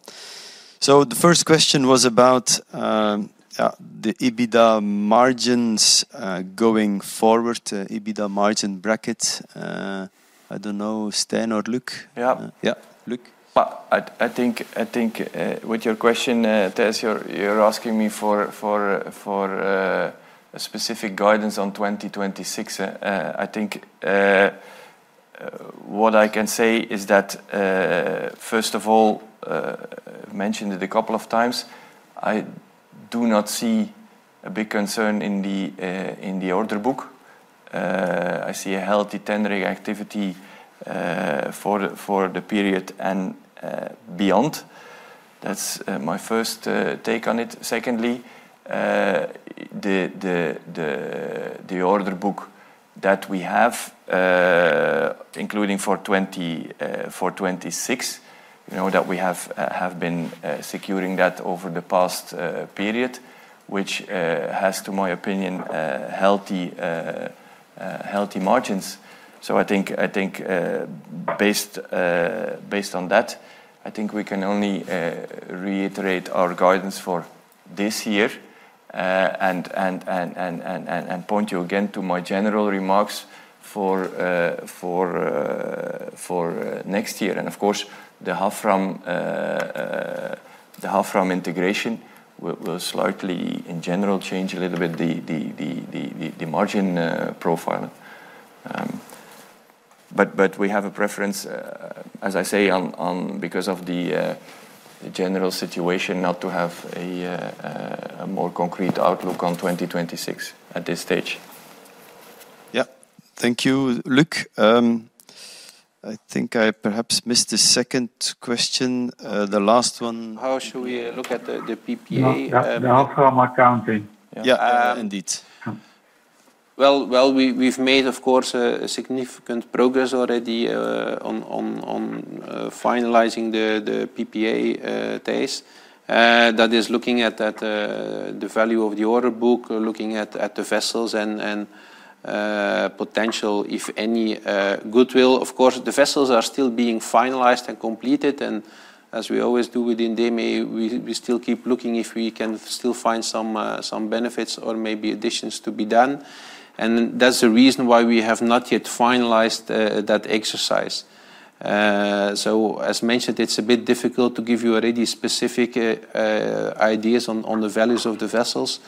The first question was about the EBITDA margins going forward. EBITDA margin, bracket. I don't know, Stijn or Luc. Yeah, yeah. Look, I think with your question, Thijs, you're asking me for a specific guidance on 2026. I think what I can say is that first of all, I mentioned it a couple of times. I do not see a big concern in the order book. I see a healthy tendering activity for the period and beyond. That's my first take on it. Secondly, the order book that we have, including for 2026, that we have been securing that over the past period, which has, to my opinion, healthy margins. I think based on that, I think we can only reiterate our guidance for this year and point you again to my general remarks for next year. Of course, the Havfram integration will slightly in general change a little bit the margin profile. We have a preference, as I say, because of the general situation, not to have a more concrete outlook on 2026 at this stage. Yeah. Thank you, Luc. I think I perhaps missed the second question, the last one. How should we look at the PPE. Indeed. We've made, of course, significant progress already on finalizing the PPE test, that is looking at the value of the order book, looking at the vessels and potential, if any, goodwill. Of course, the vessels are still being finalized and completed. As we always do within DEME, we still keep looking if we can still find some benefits or maybe additions to be done. That's the reason why we have not yet finalized that exercise. As mentioned, it's a bit difficult to give you already specific ideas on the values of the vessels.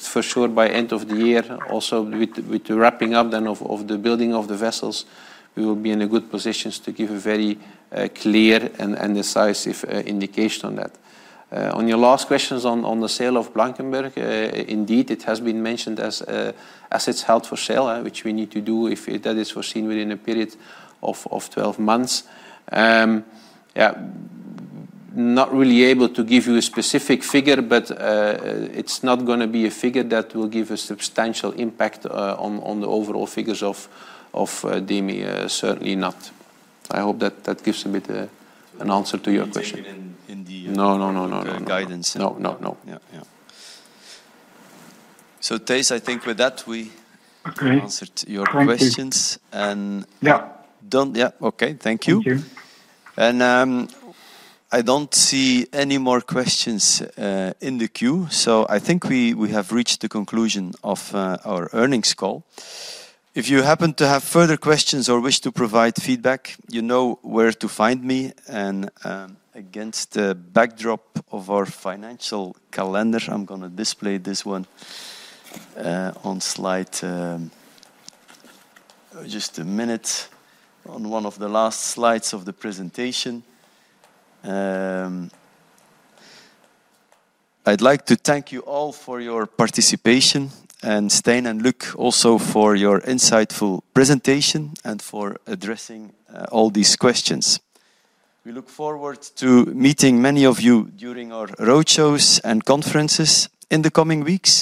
For sure, by end of the year, also with the wrapping up then of the building of the vessels, we will be in a good position to give a very clear and decisive indication on that. On your last question on the sale of Blankenberg, indeed it has been mentioned as assets held for sale, which we need to do if that is foreseen within a period of 12 months. Not really able to give you a specific figure, but it's not going to be a figure that will give a substantial impact on the overall figures of DEME. Certainly not. I hope that gives a bit. An answer to your question. No, no, no. Guidance. No, no, no. I think with that we answered your questions. Thank you. I don't see any more questions in the queue. I think we have reached the conclusion of Earnings Call. If you happen to have further questions or wish to provide feedback, you know where to find me. Against the backdrop of our financial calendar, I'm going to display this one on slide. Just a minute. On one of the last slides of the presentation, I'd like to thank you all for your participation and Stijn and Luc, also for your insightful presentation and for addressing all these questions. We look forward to meeting many of you during our roadshows and conferences in the coming weeks.